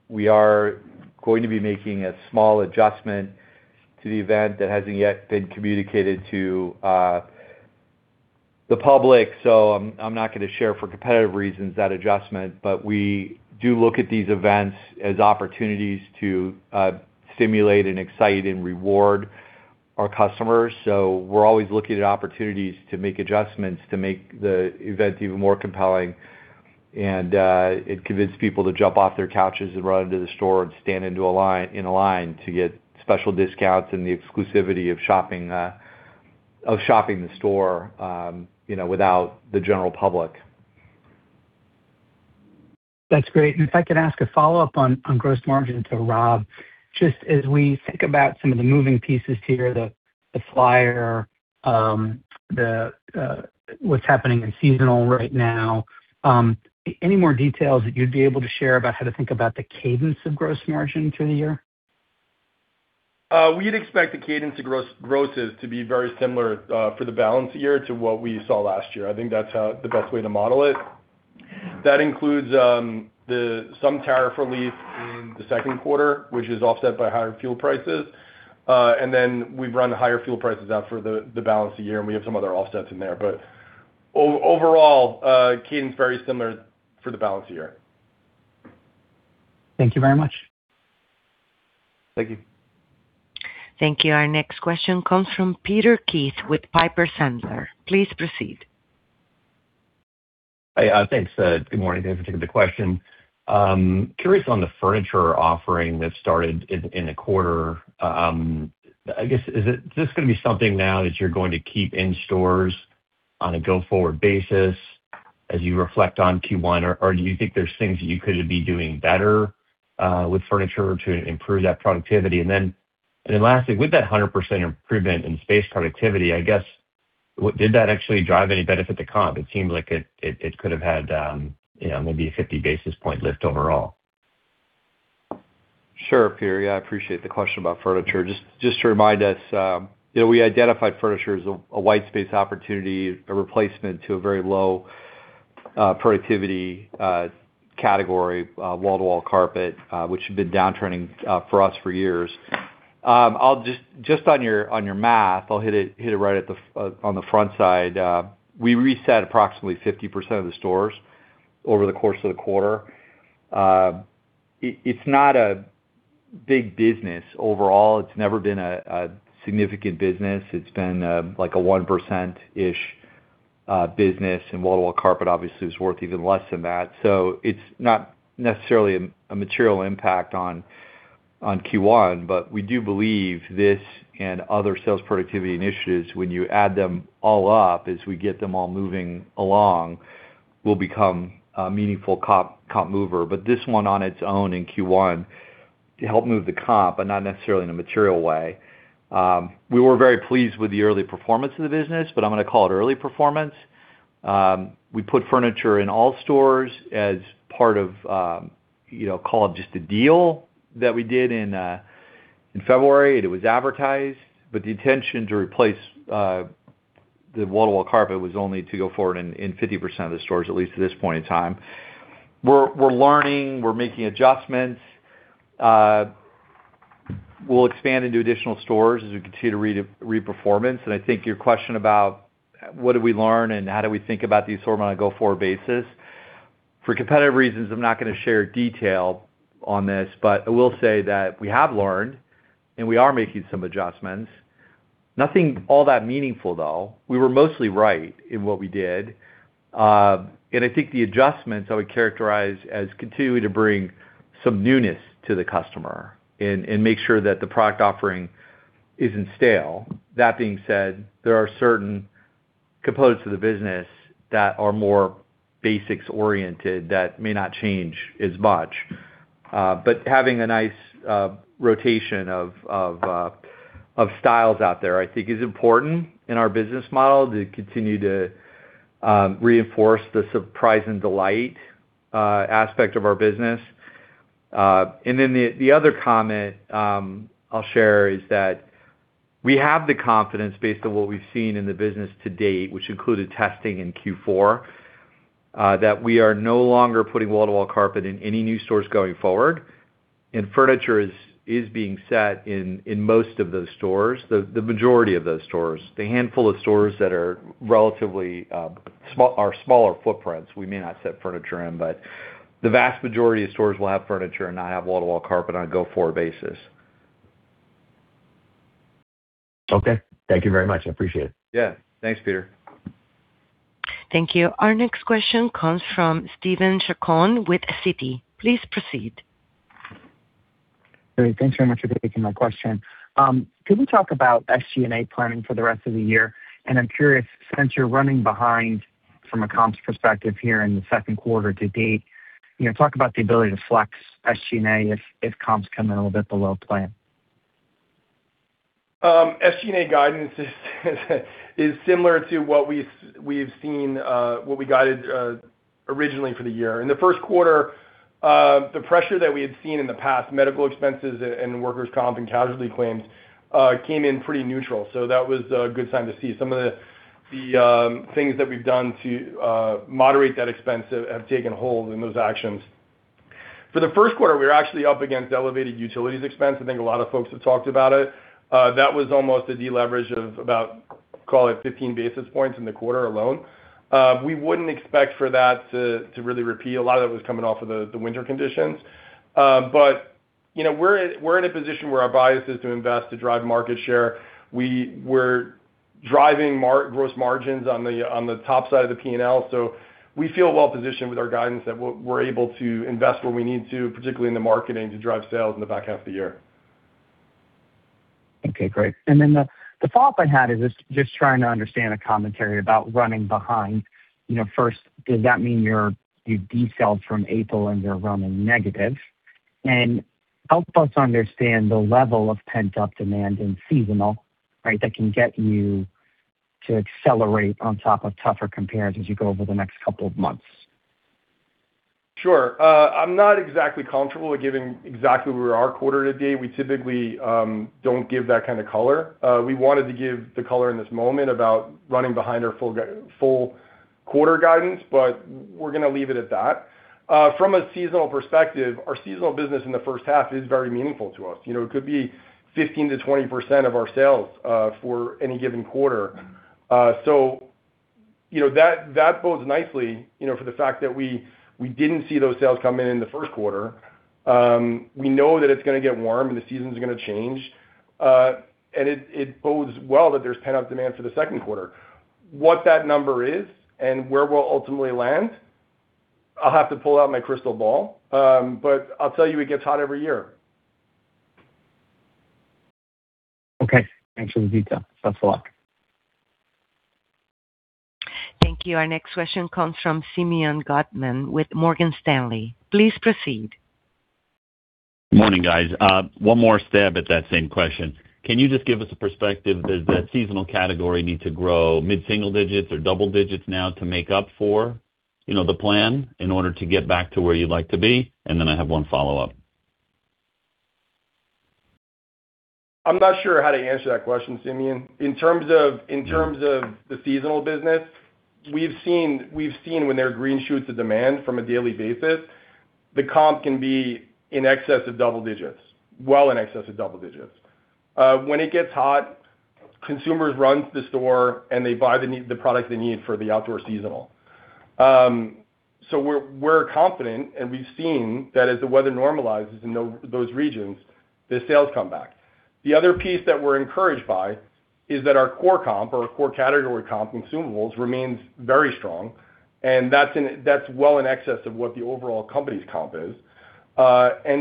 We are going to be making a small adjustment to the event that hasn't yet been communicated to the public. I'm not going to share for competitive reasons that adjustment, but we do look at these events as opportunities to stimulate and excite and reward our customers. We're always looking at opportunities to make adjustments, to make the event even more compelling and convince people to jump off their couches and run into the store and stand in a line to get special discounts and the exclusivity of shopping the store without the general public. That's great. If I could ask a follow-up on gross margin to Rob, just as we think about some of the moving pieces here, the flyer, what's happening in seasonal right now, any more details that you'd be able to share about how to think about the cadence of gross margin through the year? We'd expect the cadence of grosses to be very similar, for the balance year, to what we saw last year. I think that's the best way to model it. That includes some tariff relief in the second quarter, which is offset by higher fuel prices. Then we've run the higher fuel prices out for the balance of the year, and we have some other offsets in there. Overall, cadence very similar for the balance of the year. Thank you very much. Thank you. Thank you. Our next question comes from Peter Keith with Piper Sandler. Please proceed. Thanks. Good morning, thanks for taking the question. Curious on the furniture offering that started in the quarter. I guess, is this going to be something now that you're going to keep in stores on a go-forward basis as you reflect on Q1, or do you think there's things that you could be doing better with furniture to improve that productivity? Lastly, with that 100% improvement in space productivity, I guess, did that actually drive any benefit to comp? It seemed like it could have had maybe a 50 basis point lift overall. Sure, Peter. Yeah, I appreciate the question about furniture. Just to remind us, we identified furniture as a white space opportunity, a replacement to a very low productivity category, wall-to-wall carpet, which had been downtrending for us for years. Just on your math, I'll hit it right on the front side. We reset approximately 50% of the stores over the course of the quarter. It's not a big business overall. It's never been a significant business. It's been like a 1%-ish business and wall-to-wall carpet obviously is worth even less than that. It's not necessarily a material impact on Q1, but we do believe this and other sales productivity initiatives, when you add them all up, as we get them all moving along, will become a meaningful comp mover. This one on its own in Q1 help move the comp, but not necessarily in a material way. We were very pleased with the early performance of the business, but I'm going to call it early performance. We put furniture in all stores as part of, call it just a deal that we did in February, and it was advertised. The intention to replace the wall-to-wall carpet was only to go forward in 50% of the stores, at least at this point in time. We're learning, we're making adjustments. We'll expand into additional stores as we continue to read performance. I think your question about what did we learn and how do we think about the assortment on a go-forward basis, for competitive reasons, I'm not going to share detail on this, but I will say that we have learned, and we are making some adjustments. Nothing all that meaningful, though. We were mostly right in what we did. I think the adjustments I would characterize as continuing to bring some newness to the customer and make sure that the product offering isn't stale. That being said, there are certain components of the business that are more basics-oriented that may not change as much. Having a nice rotation of styles out there, I think is important in our business model to continue to reinforce the surprise and delight aspect of our business. The other comment I'll share is that we have the confidence based on what we've seen in the business to date, which included testing in Q4, that we are no longer putting wall-to-wall carpet in any new stores going forward. Furniture is being set in most of those stores, the majority of those stores. The handful of stores that are smaller footprints, we may not set furniture in, but the vast majority of stores will have furniture and not have wall-to-wall carpet on a go-forward basis. Okay. Thank you very much. I appreciate it. Yeah. Thanks, Peter. Thank you. Our next question comes from Steven Zaccone with Citi. Please proceed. Great. Thanks very much for taking my question. Can we talk about SG&A planning for the rest of the year? I'm curious, since you're running behind from a comps perspective here in the second quarter to date, talk about the ability to flex SG&A if comps come in a little bit below plan. SG&A guidance is similar to what we've guided originally for the year. In the first quarter, the pressure that we had seen in the past, medical expenses and workers' comp and casualty claims, came in pretty neutral. That was a good sign to see. Some of the things that we've done to moderate that expense have taken hold in those actions. For the first quarter, we were actually up against elevated utilities expense. I think a lot of folks have talked about it. That was almost a deleverage of about, call it 15 basis points in the quarter alone. We wouldn't expect for that to really repeat. A lot of it was coming off of the winter conditions. We're in a position where our bias is to invest to drive market share. We're driving gross margins on the top side of the P&L. We feel well-positioned with our guidance that we're able to invest where we need to, particularly in the marketing, to drive sales in the back half of the year. Okay, great. The follow-up I had is just trying to understand the commentary about running behind. First, does that mean you've decel from April and you're running negative? Help us understand the level of pent-up demand in seasonal, right, that can get you to accelerate on top of tougher comparisons as you go over the next couple of months. Sure. I'm not exactly comfortable with giving exactly where we are quarter to date. We typically don't give that kind of color. We wanted to give the color in this moment about running behind our full quarter guidance. We're going to leave it at that. From a seasonal perspective, our seasonal business in the first half is very meaningful to us. It could be 15%-20% of our sales for any given quarter. That bodes nicely for the fact that we didn't see those sales come in in the first quarter. We know that it's going to get warm and the seasons are going to change. It bodes well that there's pent-up demand for the second quarter. What that number is and where we'll ultimately land, I'll have to pull out my crystal ball. I'll tell you it gets hot every year. Okay. Thanks for the detail. Best of luck. Thank you. Our next question comes from Simeon Gutman with Morgan Stanley. Please proceed. Morning, guys. One more stab at that same question. Can you just give us a perspective, does that seasonal category need to grow mid-single digits or double digits now to make up for the plan in order to get back to where you'd like to be? I have one follow-up. I'm not sure how to answer that question, Simeon. In terms of the seasonal business, we've seen when there are green shoots of demand from a daily basis, the comp can be in excess of double digits, well in excess of double digits. When it gets hot, consumers run to the store, and they buy the product they need for the outdoor seasonal. We're confident, and we've seen that as the weather normalizes in those regions, the sales come back. The other piece that we're encouraged by is that our core comp or our core category comp, consumables, remains very strong, and that's well in excess of what the overall company's comp is.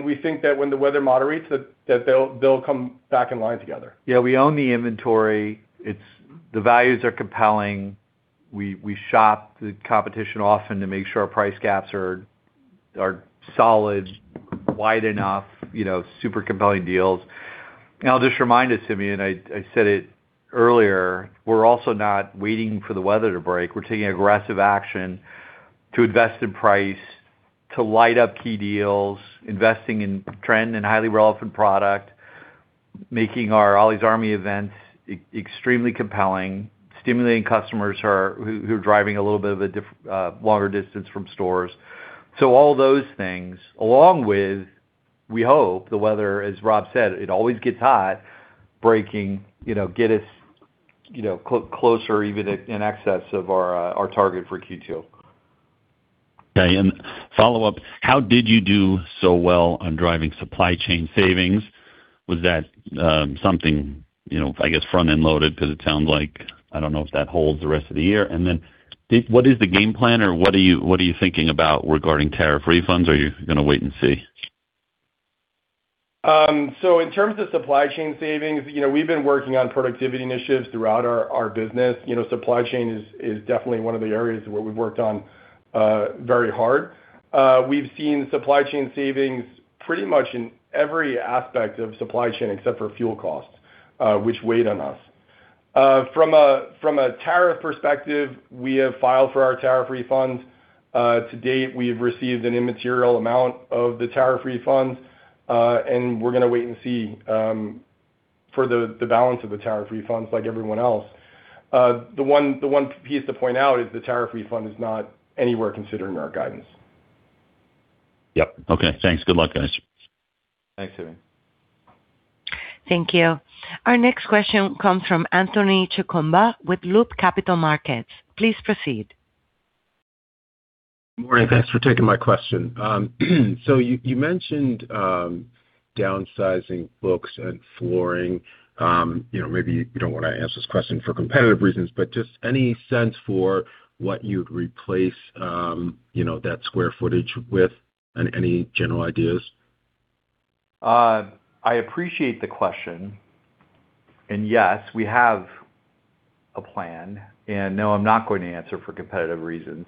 We think that when the weather moderates, that they'll come back in line together. Yeah, we own the inventory. The values are compelling. We shop the competition often to make sure our price gaps are solid, wide enough, super compelling deals. I'll just remind you, Simeon, I said it earlier, we're also not waiting for the weather to break. We're taking aggressive action to invest in price, to light up key deals, investing in trend and highly relevant product, making our Ollie's Army events extremely compelling, stimulating customers who are driving a little bit of a longer distance from stores. All those things along with, we hope the weather, as Rob said, it always gets hot, breaking, get us closer even in excess of our target for Q2. Okay. Follow-up, how did you do so well on driving supply chain savings? Was that something, I guess, front-end loaded? It sounds like, I don't know if that holds the rest of the year. What is the game plan or what are you thinking about regarding tariff refunds? Are you going to wait and see? In terms of supply chain savings, we've been working on productivity initiatives throughout our business. Supply chain is definitely one of the areas where we've worked on very hard. We've seen supply chain savings pretty much in every aspect of supply chain except for fuel costs, which weighed on us. From a tariff perspective, we have filed for our tariff refunds. To date, we've received an immaterial amount of the tariff refunds. We're going to wait and see for the balance of the tariff refunds like everyone else. The one piece to point out is the tariff refund is not anywhere considered in our guidance. Yep. Okay, thanks. Good luck, guys. Thanks, Simeon. Thank you. Our next question comes from Anthony Chukumba with Loop Capital Markets. Please proceed. Morning. Thanks for taking my question. You mentioned downsizing books and flooring. Maybe you don't want to answer this question for competitive reasons, but just any sense for what you'd replace that square footage with and any general ideas? I appreciate the question. Yes, we have a plan. No, I'm not going to answer for competitive reasons.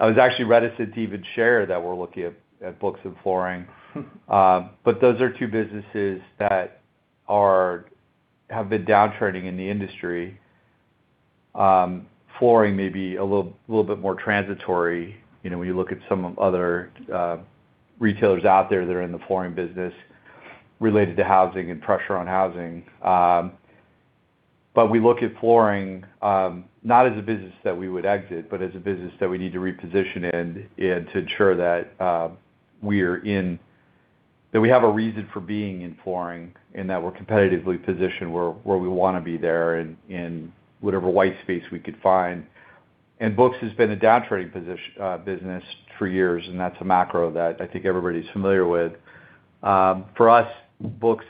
I was actually reticent to even share that we're looking at books and flooring. Those are two businesses that have been downtrending in the industry. Flooring may be a little bit more transitory, when you look at some other retailers out there that are in the flooring business related to housing and pressure on housing. We look at flooring, not as a business that we would exit, but as a business that we need to reposition and to ensure that we have a reason for being in flooring and that we're competitively positioned where we want to be there in whatever white space we could find. Books has been a downtrending business for years, and that's a macro that I think everybody's familiar with. For us, books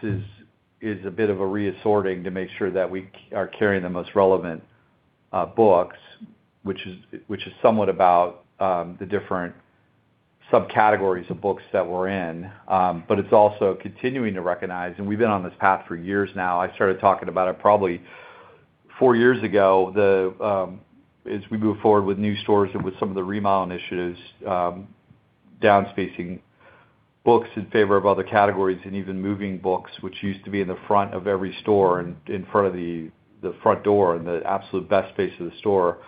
is a bit of a reassorting to make sure that we are carrying the most relevant books, which is somewhat about the different subcategories of books that we're in. It's also continuing to recognize, and we've been on this path for years now, I started talking about it probably four years ago, as we move forward with new stores and with some of the remodel initiatives, downspacing books in favor of other categories and even moving books, which used to be in the front of every store and in front of the front door and the absolute best space of the store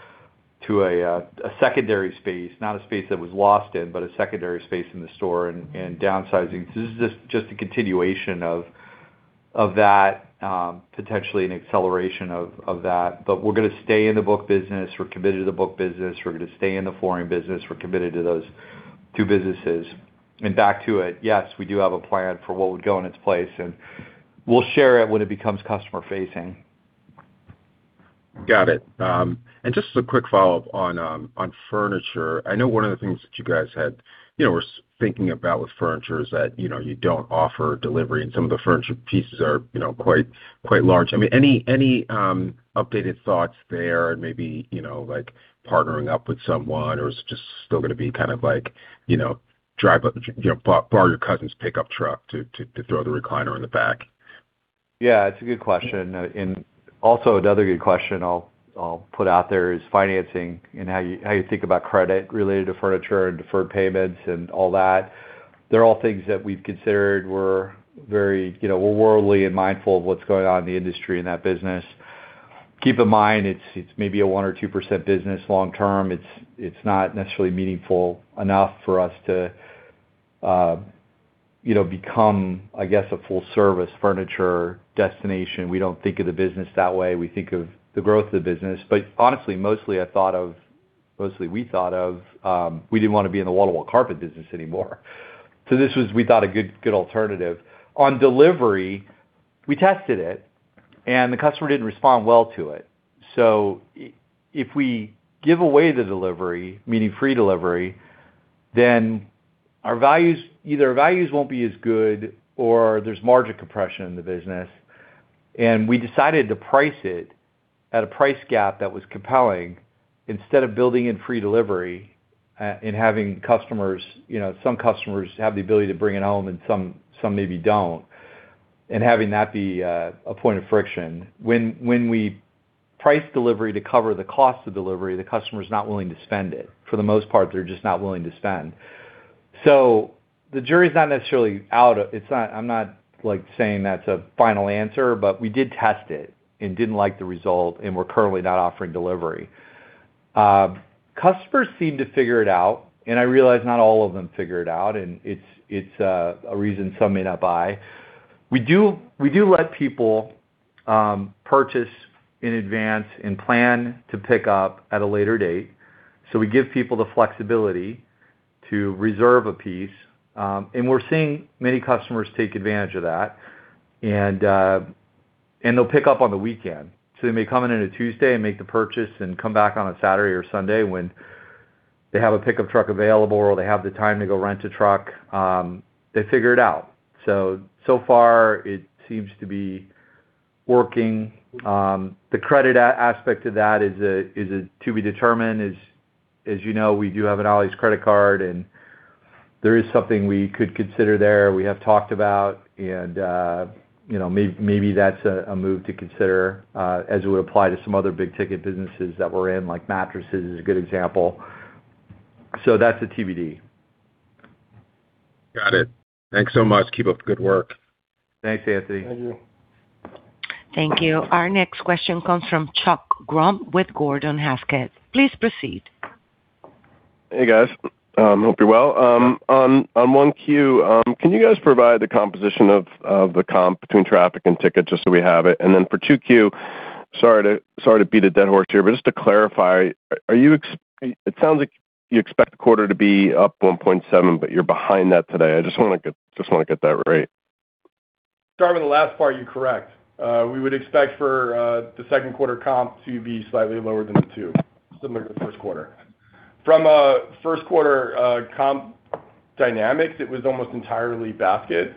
to a secondary space, not a space that was lost in, but a secondary space in the store and downsizing. This is just a continuation of that, potentially an acceleration of that. We're going to stay in the book business. We're committed to the book business. We're going to stay in the flooring business. We're committed to those two businesses. Back to it, yes, we do have a plan for what would go in its place, and we'll share it when it becomes customer facing. Got it. Just as a quick follow-up on furniture. I know one of the things that you guys were thinking about with furniture is that you don't offer delivery and some of the furniture pieces are quite large. Any updated thoughts there? Maybe, like partnering up with someone or is it just still going to be kind of like borrow your cousin's pickup truck to throw the recliner in the back? Yeah, it's a good question. Another good question I'll put out there is financing and how you think about credit related to furniture and deferred payments and all that. They're all things that we've considered. We're worldly and mindful of what's going on in the industry in that business. Keep in mind, it's maybe a 1% or 2% business long term. It's not necessarily meaningful enough for us to become, I guess, a full service furniture destination. We don't think of the business that way. We think of the growth of the business. Honestly, mostly we didn't want to be in the wall-to-wall carpet business anymore. This was, we thought, a good alternative. On delivery, we tested it, and the customer didn't respond well to it. If we give away the delivery, meaning free delivery, then either our values won't be as good or there's margin compression in the business. We decided to price it at a price gap that was compelling instead of building in free delivery and having some customers have the ability to bring it home and some maybe don't, and having that be a point of friction. When we price delivery to cover the cost of delivery, the customer's not willing to spend it. For the most part, they're just not willing to spend. The jury's not necessarily out. I'm not saying that's a final answer, but we did test it and didn't like the result, and we're currently not offering delivery. Customers seem to figure it out, and I realize not all of them figure it out, and it's a reason some may not buy. We do let people purchase in advance and plan to pick up at a later date. We give people the flexibility to reserve a piece, and we're seeing many customers take advantage of that. They'll pick up on the weekend. They may come in on a Tuesday and make the purchase and come back on a Saturday or Sunday when they have a pickup truck available, or they have the time to go rent a truck. They figure it out. So far it seems to be working. The credit aspect of that is to be determined. As you know, we do have an Ollie's Credit Card, and there is something we could consider there. We have talked about and maybe that's a move to consider as it would apply to some other big-ticket businesses that we're in, like mattresses is a good example. That's a TBD. Got it. Thanks so much. Keep up the good work. Thanks, Anthony. Thank you. Our next question comes from Chuck Grom with Gordon Haskett. Please proceed. Hey, guys. Hope you're well. On 1Q, can you guys provide the composition of the comp between traffic and ticket, just so we have it? For 2Q, sorry to beat a dead horse here, but just to clarify, it sounds like you expect the quarter to be up 1.7%, but you're behind that today. I just want to get that right. Starting with the last part, you're correct. We would expect for the second quarter comp to be slightly lower than the two, similar to the first quarter. From a first quarter comp dynamics, it was almost entirely basket.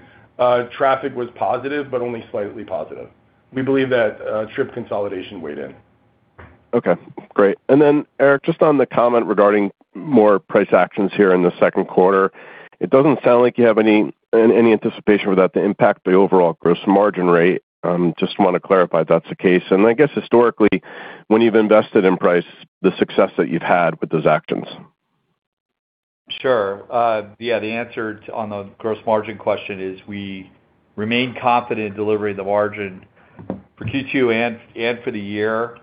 Traffic was positive, but only slightly positive. We believe that trip consolidation weighed in. Okay, great. Eric, just on the comment regarding more price actions here in the second quarter, it doesn't sound like you have any anticipation without the impact the overall gross margin rate. Just want to clarify that's the case. I guess historically, when you've invested in price, the success that you've had with those actions. Sure. Yeah, the answer on the gross margin question is we remain confident delivering the margin for Q2 and for the year,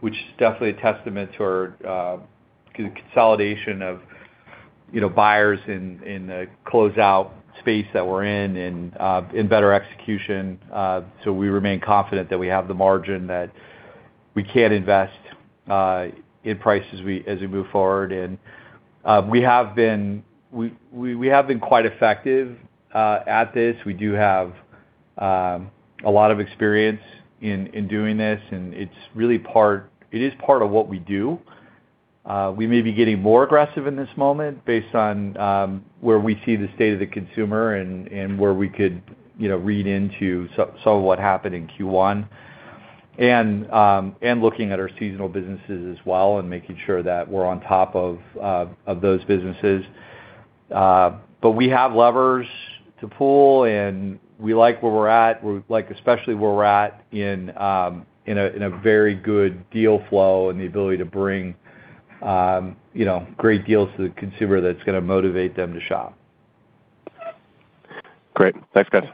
which is definitely a testament to our consolidation of buyers in the closeout space that we're in and better execution. We remain confident that we have the margin that we can invest in prices as we move forward. We have been quite effective at this. We do have a lot of experience in doing this, and it is part of what we do. We may be getting more aggressive in this moment based on where we see the state of the consumer and where we could read into some of what happened in Q1, and looking at our seasonal businesses as well and making sure that we're on top of those businesses. We have levers to pull, and we like where we're at. We like especially where we're at in a very good deal flow and the ability to bring great deals to the consumer that's going to motivate them to shop. Great. Thanks, guys.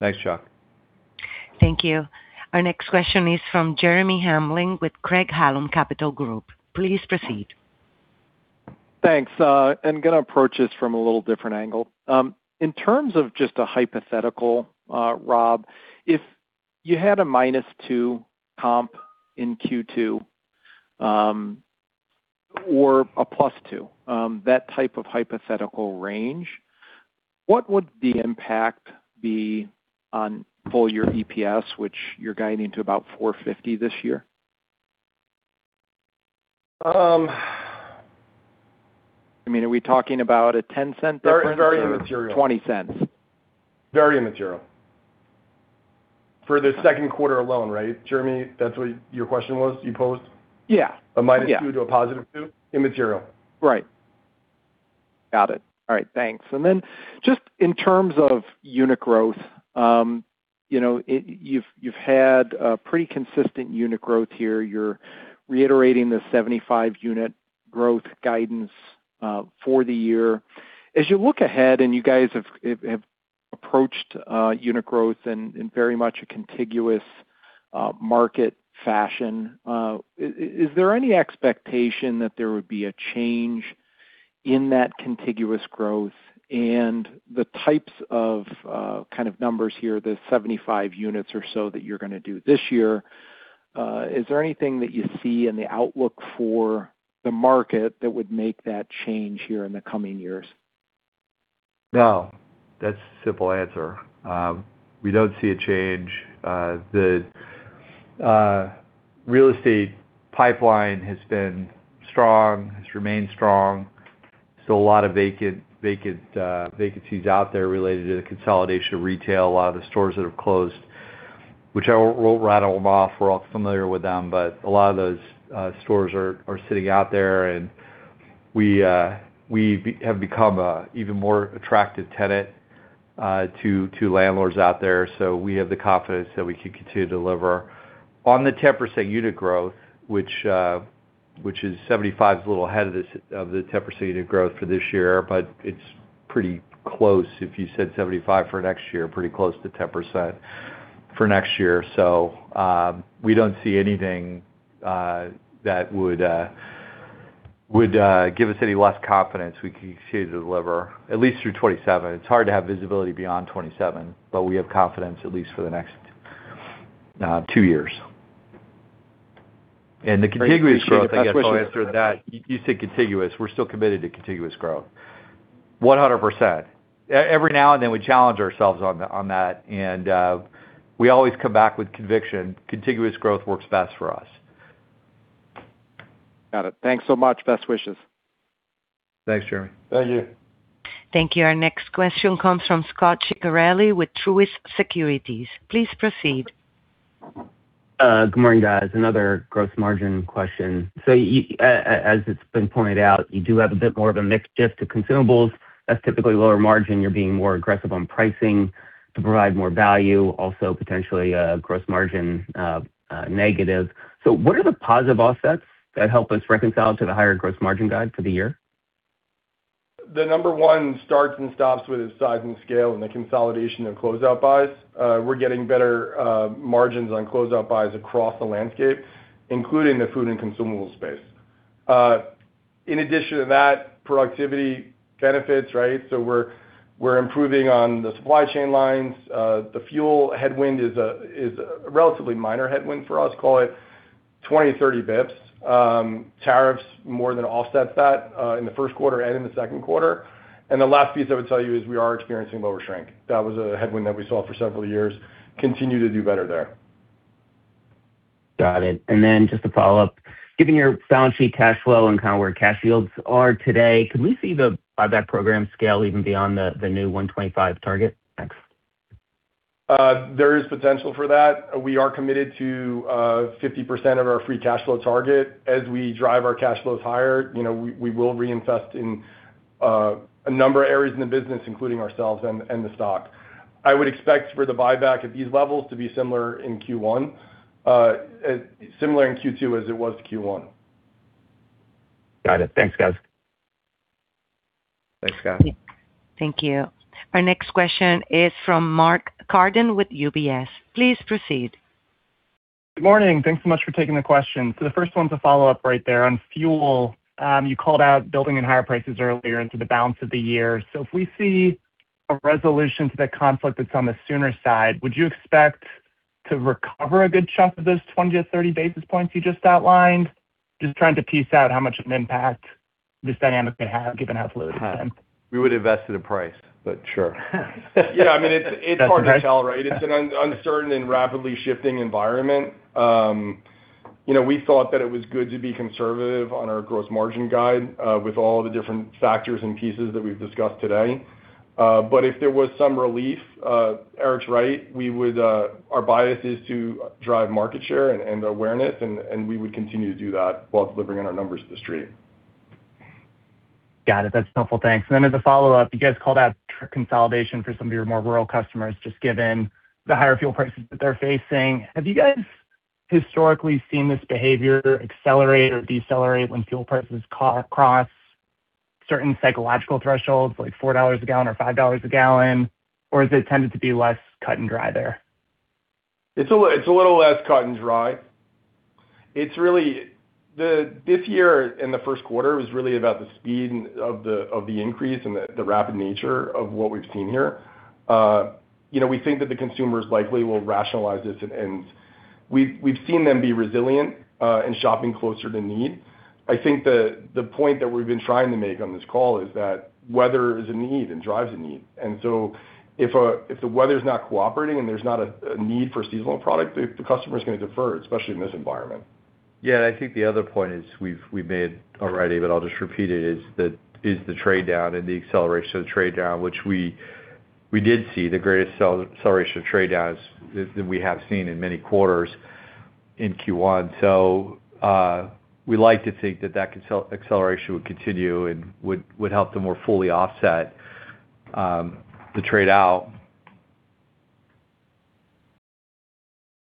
Thanks, Chuck. Thank you. Our next question is from Jeremy Hamblin with Craig-Hallum Capital Group. Please proceed. Thanks. I'm going to approach this from a little different angle. In terms of just a hypothetical, Rob, if you had a minus two comp in Q2, or a plus two, that type of hypothetical range, what would the impact be on full-year EPS, which you're guiding to about $4.50 this year? I mean, are we talking about a $0.10 difference? Very immaterial. $0.20? Very immaterial. For the second quarter alone, right, Jeremy? That's what your question was, you posed? Yeah. A -2 to a +2? Immaterial. Right. Got it. All right, thanks. Just in terms of unit growth, you've had a pretty consistent unit growth here. You're reiterating the 75-unit growth guidance for the year. As you look ahead and you guys have approached unit growth in very much a contiguous market fashion, is there any expectation that there would be a change in that contiguous growth and the types of kind of numbers here, the 75 units or so that you're going to do this year? Is there anything that you see in the outlook for the market that would make that change here in the coming years? No, that's a simple answer. We don't see a change. The real estate pipeline has been strong, has remained strong. Still a lot of vacancies out there related to the consolidation of retail, a lot of the stores that have closed, which I won't rattle them off. We're all familiar with them, but a lot of those stores are sitting out there, and we have become an even more attractive tenant to landlords out there. We have the confidence that we can continue to deliver. On the 10% unit growth, which is 75 is a little ahead of the 10% unit growth for this year, but it's pretty close if you said 75 for next year, pretty close to 10% for next year. We don't see anything that would give us any less confidence we can continue to deliver at least through 2027. It's hard to have visibility beyond 2027. We have confidence at least for the next two years. The contiguous growth, I guess I'll answer that. You said contiguous. We're still committed to contiguous growth 100%. Every now and then, we challenge ourselves on that, and we always come back with conviction. Contiguous growth works best for us. Got it. Thanks so much. Best wishes. Thanks, Jeremy. Thank you. Thank you. Our next question comes from Scot Ciccarelli with Truist Securities. Please proceed. Good morning, guys. Another gross margin question. As it's been pointed out, you do have a bit more of a mix shift to consumables that's typically lower margin. You're being more aggressive on pricing to provide more value, also potentially gross margin negative. What are the positive offsets that help us reconcile to the higher gross margin guide for the year? The number one starts and stops with the size and scale and the consolidation of closeout buys. We're getting better margins on closeout buys across the landscape, including the food and consumable space. Productivity benefits, right? We're improving on the supply chain lines. The fuel headwind is a relatively minor headwind for us. Call it 20 basis points, 30 basis points. Tariffs more than offsets that in the first quarter and in the second quarter. The last piece I would tell you is we are experiencing lower shrink. That was a headwind that we saw for several years. Continue to do better there. Got it. Just a follow-up. Given your balance sheet cash flow and kind of where cash yields are today, can we see the buyback program scale even beyond the new $125 target? Thanks. There is potential for that. We are committed to 50% of our free cash flow target. As we drive our cash flows higher, we will reinvest in a number of areas in the business, including ourselves and the stock. I would expect for the buyback at these levels to be similar in Q2 as it was to Q1. Got it. Thanks, guys. Thanks, Scot. Thank you. Our next question is from Mark Carden with UBS. Please proceed. Good morning. Thanks so much for taking the question. The first one's a follow-up right there on fuel. You called out building in higher prices earlier into the balance of the year. If we see a resolution to that conflict that's on the sooner side, would you expect to recover a good chunk of those 20 basis points-30 basis points you just outlined? Just trying to piece out how much of an impact this dynamic may have given how fluid it's been. We would invest at a price, but sure. Yeah, it's hard to tell, right? It's an uncertain and rapidly shifting environment. We thought that it was good to be conservative on our gross margin guide with all the different factors and pieces that we've discussed today. If there was some relief, Eric's right. Our bias is to drive market share and awareness, and we would continue to do that while delivering on our numbers to the street. Got it. That's helpful. Thanks. Then as a follow-up, you guys called out consolidation for some of your more rural customers, just given the higher fuel prices that they're facing. Have you guys historically seen this behavior accelerate or decelerate when fuel prices cross certain psychological thresholds, like $4 a gallon or $5 a gallon? Or has it tended to be less cut and dry there? It's a little less cut and dry. This year in the first quarter was really about the speed of the increase and the rapid nature of what we've seen here. We think that the consumers likely will rationalize this and we've seen them be resilient in shopping closer to need. I think the point that we've been trying to make on this call is that weather is a need and drives a need. If the weather's not cooperating and there's not a need for seasonal product, the customer's going to defer, especially in this environment. Yeah, I think the other point is we've made already, but I'll just repeat it, is the trade down and the acceleration of the trade down, which we did see the greatest acceleration of trade downs than we have seen in many quarters in Q1. We like to think that acceleration would continue and would help to more fully offset the trade out.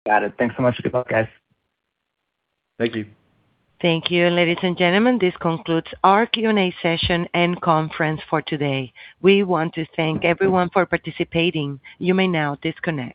Got it. Thanks so much. Good luck, guys. Thank you. Thank you. Ladies and gentlemen, this concludes our Q&A session and conference for today. We want to thank everyone for participating. You may now disconnect.